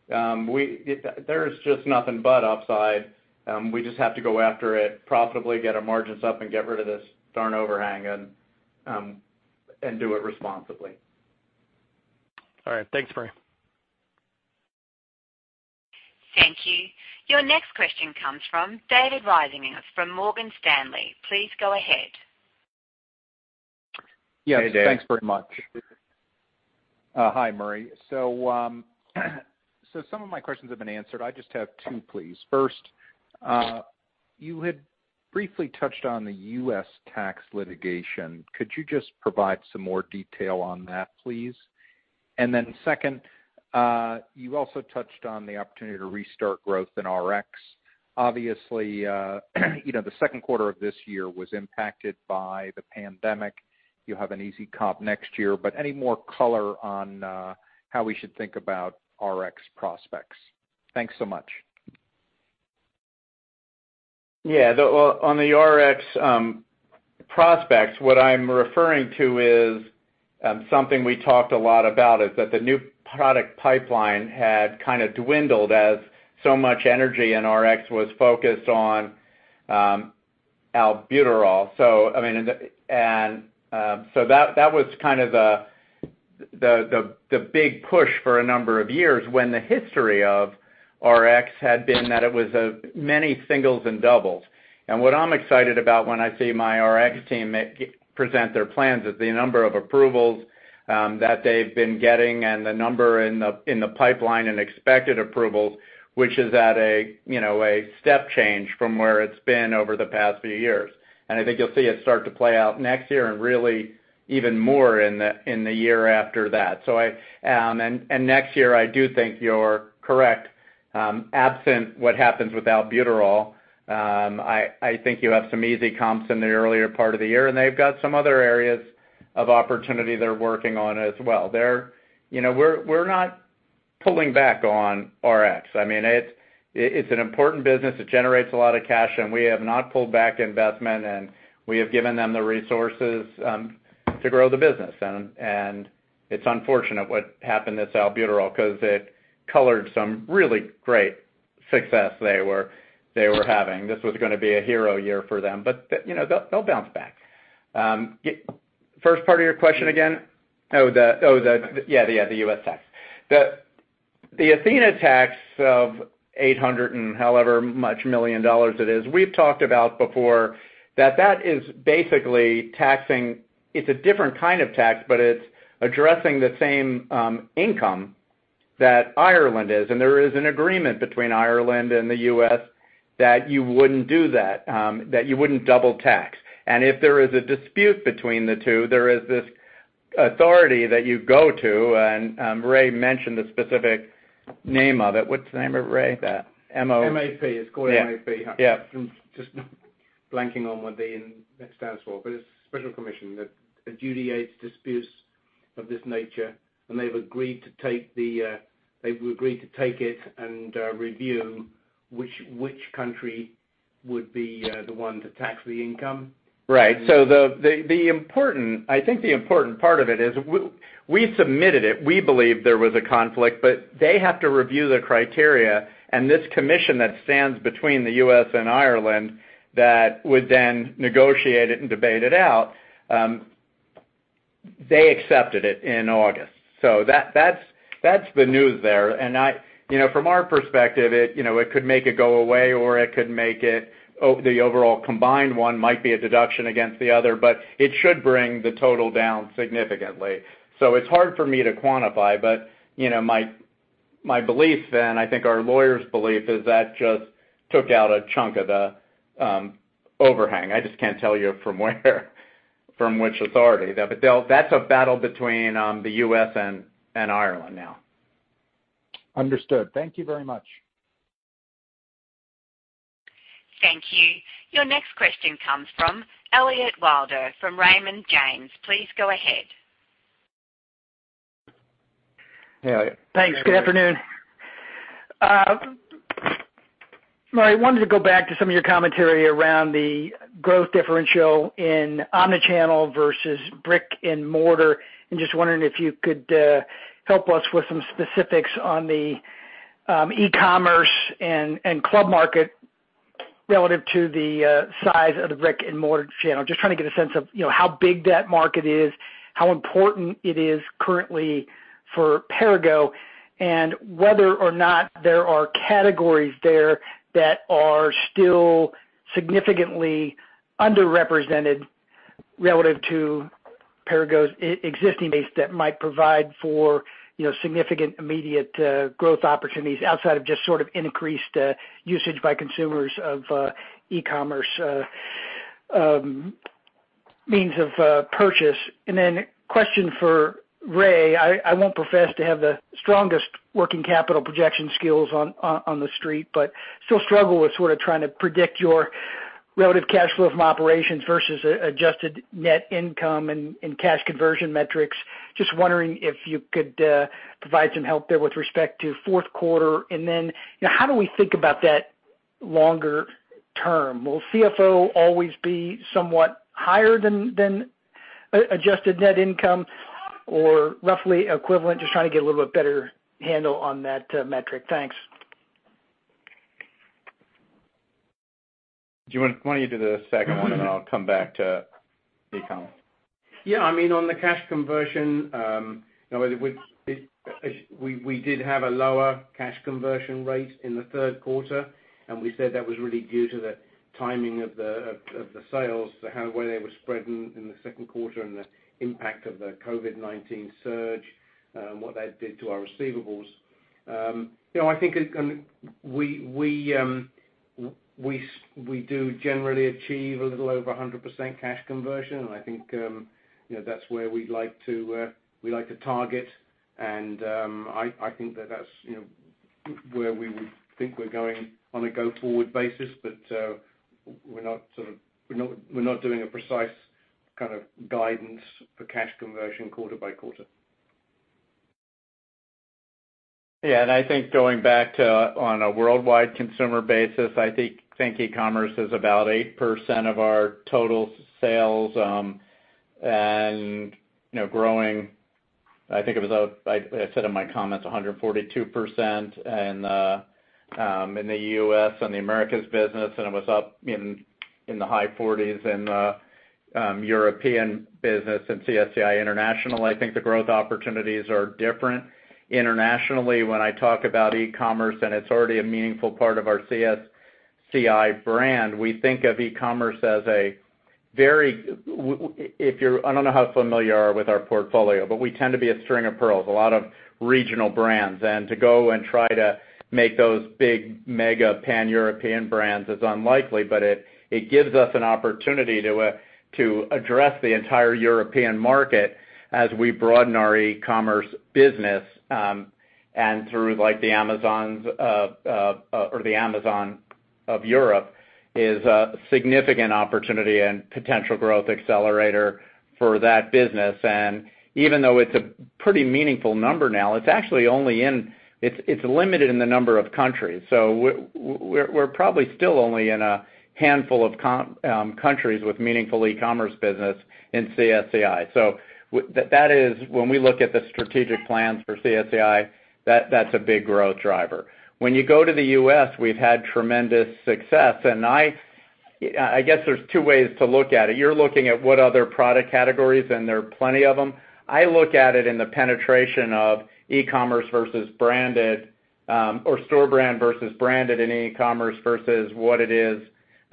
S3: there is just nothing but upside. We just have to go after it profitably, get our margins up, get rid of this darn overhang, do it responsibly.
S8: All right. Thanks, Murray.
S1: Thank you. Your next question comes from David Risinger from Morgan Stanley. Please go ahead.
S3: Hey, David.
S9: Yes, thanks very much. Hi, Murray. Some of my questions have been answered. I just have two, please. First, you had briefly touched on the U.S. tax litigation. Could you just provide some more detail on that, please? Second, you also touched on the opportunity to restart growth in Rx. Obviously, the second quarter of this year was impacted by the pandemic. You have an easy comp next year, but any more color on how we should think about Rx prospects? Thanks so much.
S3: Yeah. On the Rx prospects, what I'm referring to is something we talked a lot about, is that the new product pipeline had kind of dwindled as so much energy in Rx was focused on albuterol. That was kind of the big push for a number of years when the history of Rx had been that it was many singles and doubles. What I'm excited about when I see my Rx team present their plans is the number of approvals that they've been getting and the number in the pipeline and expected approvals, which is at a step change from where it's been over the past few years. I think you'll see it start to play out next year and really even more in the year after that. Next year, I do think you're correct. Absent what happens with albuterol, I think you have some easy comps in the earlier part of the year, and they've got some other areas of opportunity they're working on as well. We're not pulling back on Rx. It's an important business. It generates a lot of cash, and we have not pulled back investment, and we have given them the resources to grow the business. It's unfortunate what happened with albuterol because it colored some really great success they were having. This was going to be a hero year for them. They'll bounce back. First part of your question again?
S9: The U.S. tax.
S3: Yeah, the U.S. tax. The Athena tax of $800 and however much million it is, we've talked about before that is basically taxing. It's a different kind of tax, but it's addressing the same income that Ireland is. There is an agreement between Ireland and the U.S. that you wouldn't do that you wouldn't double tax. If there is a dispute between the two, there is this authority that you go to, and Ray mentioned the specific name of it. What's the name of it, Ray?
S4: MAP. It's called MAP.
S3: Yeah.
S4: I'm just blanking on what the N stands for. It's a special commission that adjudicates disputes of this nature, and they've agreed to take it and review which country would be the one to tax the income.
S3: Right. I think the important part of it is we submitted it. We believe there was a conflict, but they have to review the criteria, and this commission that stands between the U.S. and Ireland that would then negotiate it and debate it out, they accepted it in August. That's the news there. From our perspective, it could make it go away or it could make it the overall combined one might be a deduction against the other, but it should bring the total down significantly. It's hard for me to quantify, but my belief and I think our lawyers' belief is that just took out a chunk of the overhang. I just can't tell you from which authority. That's a battle between the U.S. and Ireland now.
S9: Understood. Thank you very much.
S1: Thank you. Your next question comes from Elliot Wilbur from Raymond James. Please go ahead.
S3: Hey, Elliot.
S10: Thanks. Good afternoon. Murray, I wanted to go back to some of your commentary around the growth differential in omni-channel versus brick-and-mortar. I'm just wondering if you could help us with some specifics on the e-commerce and club market relative to the size of the brick-and-mortar channel. Just trying to get a sense of how big that market is, how important it is currently for Perrigo, and whether or not there are categories there that are still significantly underrepresented relative to Perrigo's existing base that might provide for significant immediate growth opportunities outside of just sort of increased usage by consumers of e-commerce means of purchase. Then a question for Ray. I won't profess to have the strongest working capital projection skills on the street, but still struggle with sort of trying to predict your relative cash flow from operations versus adjusted net income and cash conversion metrics. Just wondering if you could provide some help there with respect to fourth quarter, and then how do we think about that longer term? Will CFO always be somewhat higher than adjusted net income or roughly equivalent? Just trying to get a little bit better handle on that metric. Thanks.
S3: Do you want to do the second one and then I'll come back to e-com?
S4: On the cash conversion, we did have a lower cash conversion rate in the third quarter, and we said that was really due to the timing of the sales, where they were spread in the second quarter and the impact of the COVID-19 surge and what that did to our receivables. I think we do generally achieve a little over 100% cash conversion, and I think that's where we like to target and I think that's where we think we're going on a go-forward basis. We're not doing a precise kind of guidance for cash conversion quarter-by-quarter.
S3: Yeah, I think going back to on a worldwide consumer basis, I think e-commerce is about 8% of our total sales and growing. I think it was, I said in my comments, 142% in the U.S. and the Americas business, and it was up in the high 40s in the European business in CSCI International. I think the growth opportunities are different internationally. When I talk about e-commerce, it's already a meaningful part of our CSCI brand, we think of e-commerce as a I don't know how familiar you are with our portfolio, but we tend to be a string of pearls, a lot of regional brands. To go and try to make those big mega Pan-European brands is unlikely, but it gives us an opportunity to address the entire European market as we broaden our e-commerce business. Through the Amazon of Europe is a significant opportunity and potential growth accelerator for that business. Even though it's a pretty meaningful number now, it's limited in the number of countries. We're probably still only in a handful of countries with meaningful e-commerce business in CSCI. That is, when we look at the strategic plans for CSCI, that's a big growth driver. When you go to the U.S., we've had tremendous success. I guess there's two ways to look at it. You're looking at what other product categories, and there are plenty of them. I look at it in the penetration of e-commerce versus branded, or store brand versus branded in e-commerce, versus what it is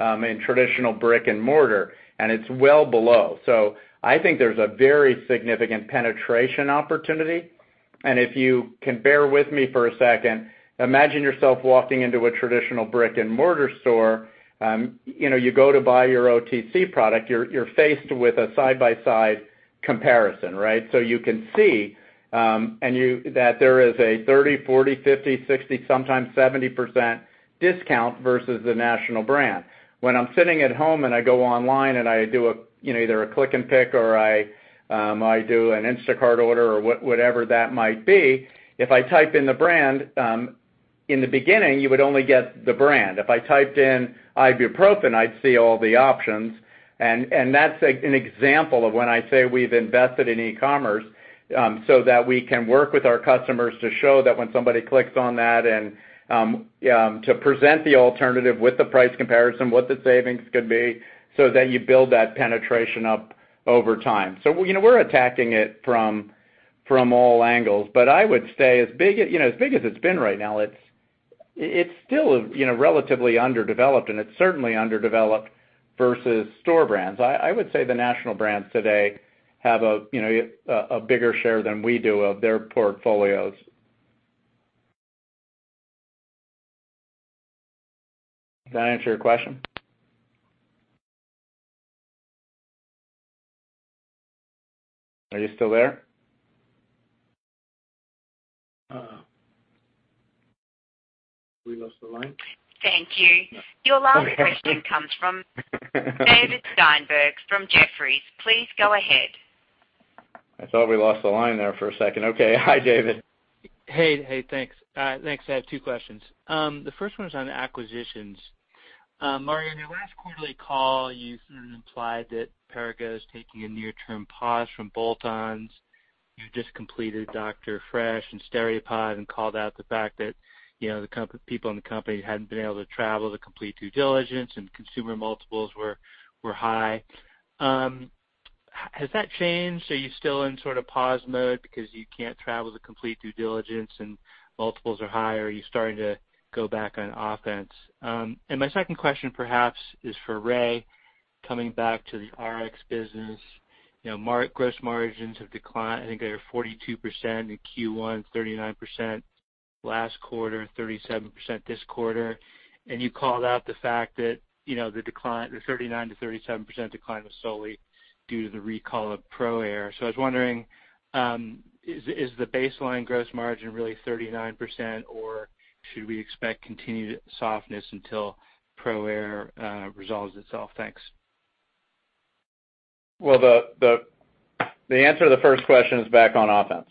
S3: in traditional brick and mortar, and it's well below. I think there's a very significant penetration opportunity, and if you can bear with me for a second, imagine yourself walking into a traditional brick-and-mortar store. You go to buy your OTC product, you're faced with a side-by-side comparison, right? You can see that there is a 30%, 40%, 50%, 60%, sometimes 70% discount versus the national brand. When I'm sitting at home and I go online and I do either a click and pick or I do an Instacart order or whatever that might be, if I type in the brand, in the beginning, you would only get the brand. If I typed in ibuprofen, I'd see all the options. That's an example of when I say we've invested in e-commerce so that we can work with our customers to show that when somebody clicks on that and to present the alternative with the price comparison, what the savings could be, so that you build that penetration up over time. We're attacking it from all angles, but I would say as big as it's been right now, it's still relatively underdeveloped, and it's certainly underdeveloped versus store brands. I would say the national brands today have a bigger share than we do of their portfolios. Does that answer your question? Are you still there?
S4: We lost the line.
S1: Thank you. Your last question comes from David Steinberg from Jefferies. Please go ahead.
S3: I thought we lost the line there for a second. Okay. Hi, David.
S11: Hey, thanks. I have two questions. The first one is on acquisitions. Murray, on your last quarterly call, you sort of implied that Perrigo is taking a near-term pause from bolt-ons. You just completed Dr. Fresh and Steripod and called out the fact that the people in the company hadn't been able to travel to complete due diligence and consumer multiples were high. Has that changed? Are you still in sort of pause mode because you can't travel to complete due diligence and multiples are high, or are you starting to go back on offense? My second question perhaps is for Ray, coming back to the Rx business. Gross margins have declined. I think they were 42% in Q1, 39% last quarter, 37% this quarter. You called out the fact that the 39%-37% decline was solely due to the recall of ProAir. I was wondering, is the baseline gross margin really 39%, or should we expect continued softness until ProAir resolves itself? Thanks.
S3: Well, the answer to the first question is back on offense.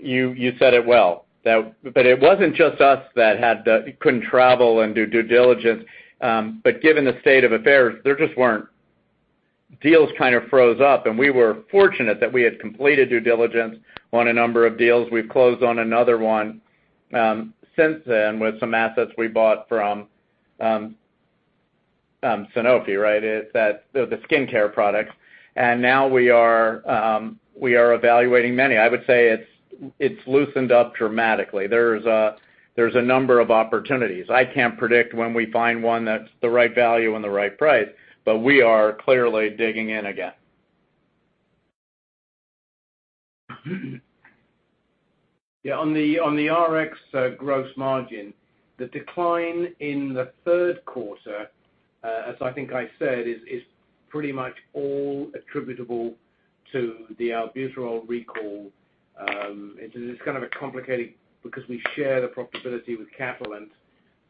S3: You said it well. It wasn't just us that couldn't travel and do due diligence. Given the state of affairs, Deals kind of froze up, and we were fortunate that we had completed due diligence on a number of deals. We've closed on another one since then with some assets we bought from Sanofi, the skincare products. Now we are evaluating many. I would say it's loosened up dramatically. There's a number of opportunities. I can't predict when we find one that's the right value and the right price, but we are clearly digging in again.
S4: Yeah, on the Rx gross margin, the decline in the third quarter, as I think I said, is pretty much all attributable to the albuterol recall. It's kind of complicated because we share the profitability with Catalent,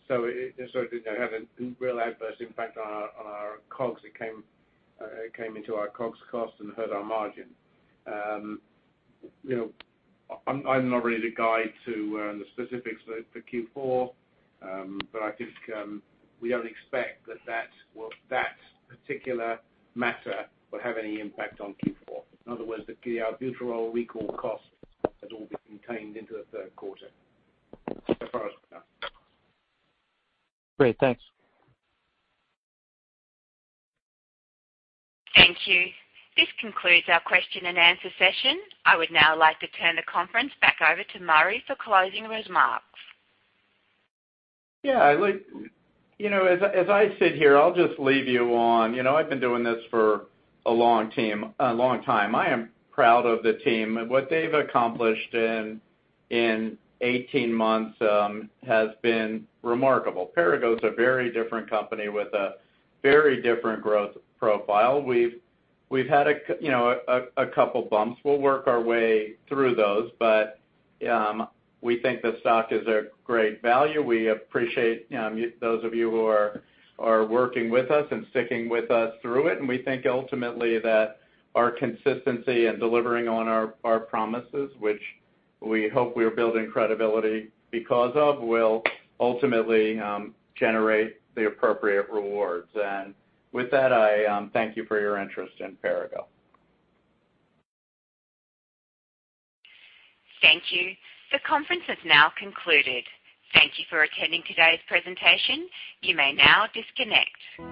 S4: so it had a real adverse impact on our COGS. It came into our COGS cost and hurt our margin. I'm not really gonna guide to the specifics for Q4, but I think we don't expect that that particular matter will have any impact on Q4. In other words, the albuterol recall cost has all been contained into the third quarter as far as we know.
S11: Great. Thanks.
S1: Thank you. This concludes our question-and-answer session. I would now like to turn the conference back over to Murray for closing remarks.
S3: Yeah. As I sit here, I'll just leave you on, I've been doing this for a long time. I am proud of the team. What they've accomplished in 18 months has been remarkable. Perrigo is a very different company with a very different growth profile. We've had a couple bumps. We'll work our way through those. We think the stock is a great value. We appreciate those of you who are working with us and sticking with us through it. We think ultimately that our consistency in delivering on our promises, which we hope we are building credibility because of, will ultimately generate the appropriate rewards. With that, I thank you for your interest in Perrigo.
S1: Thank you. The conference has now concluded. Thank you for attending today's presentation. You may now disconnect.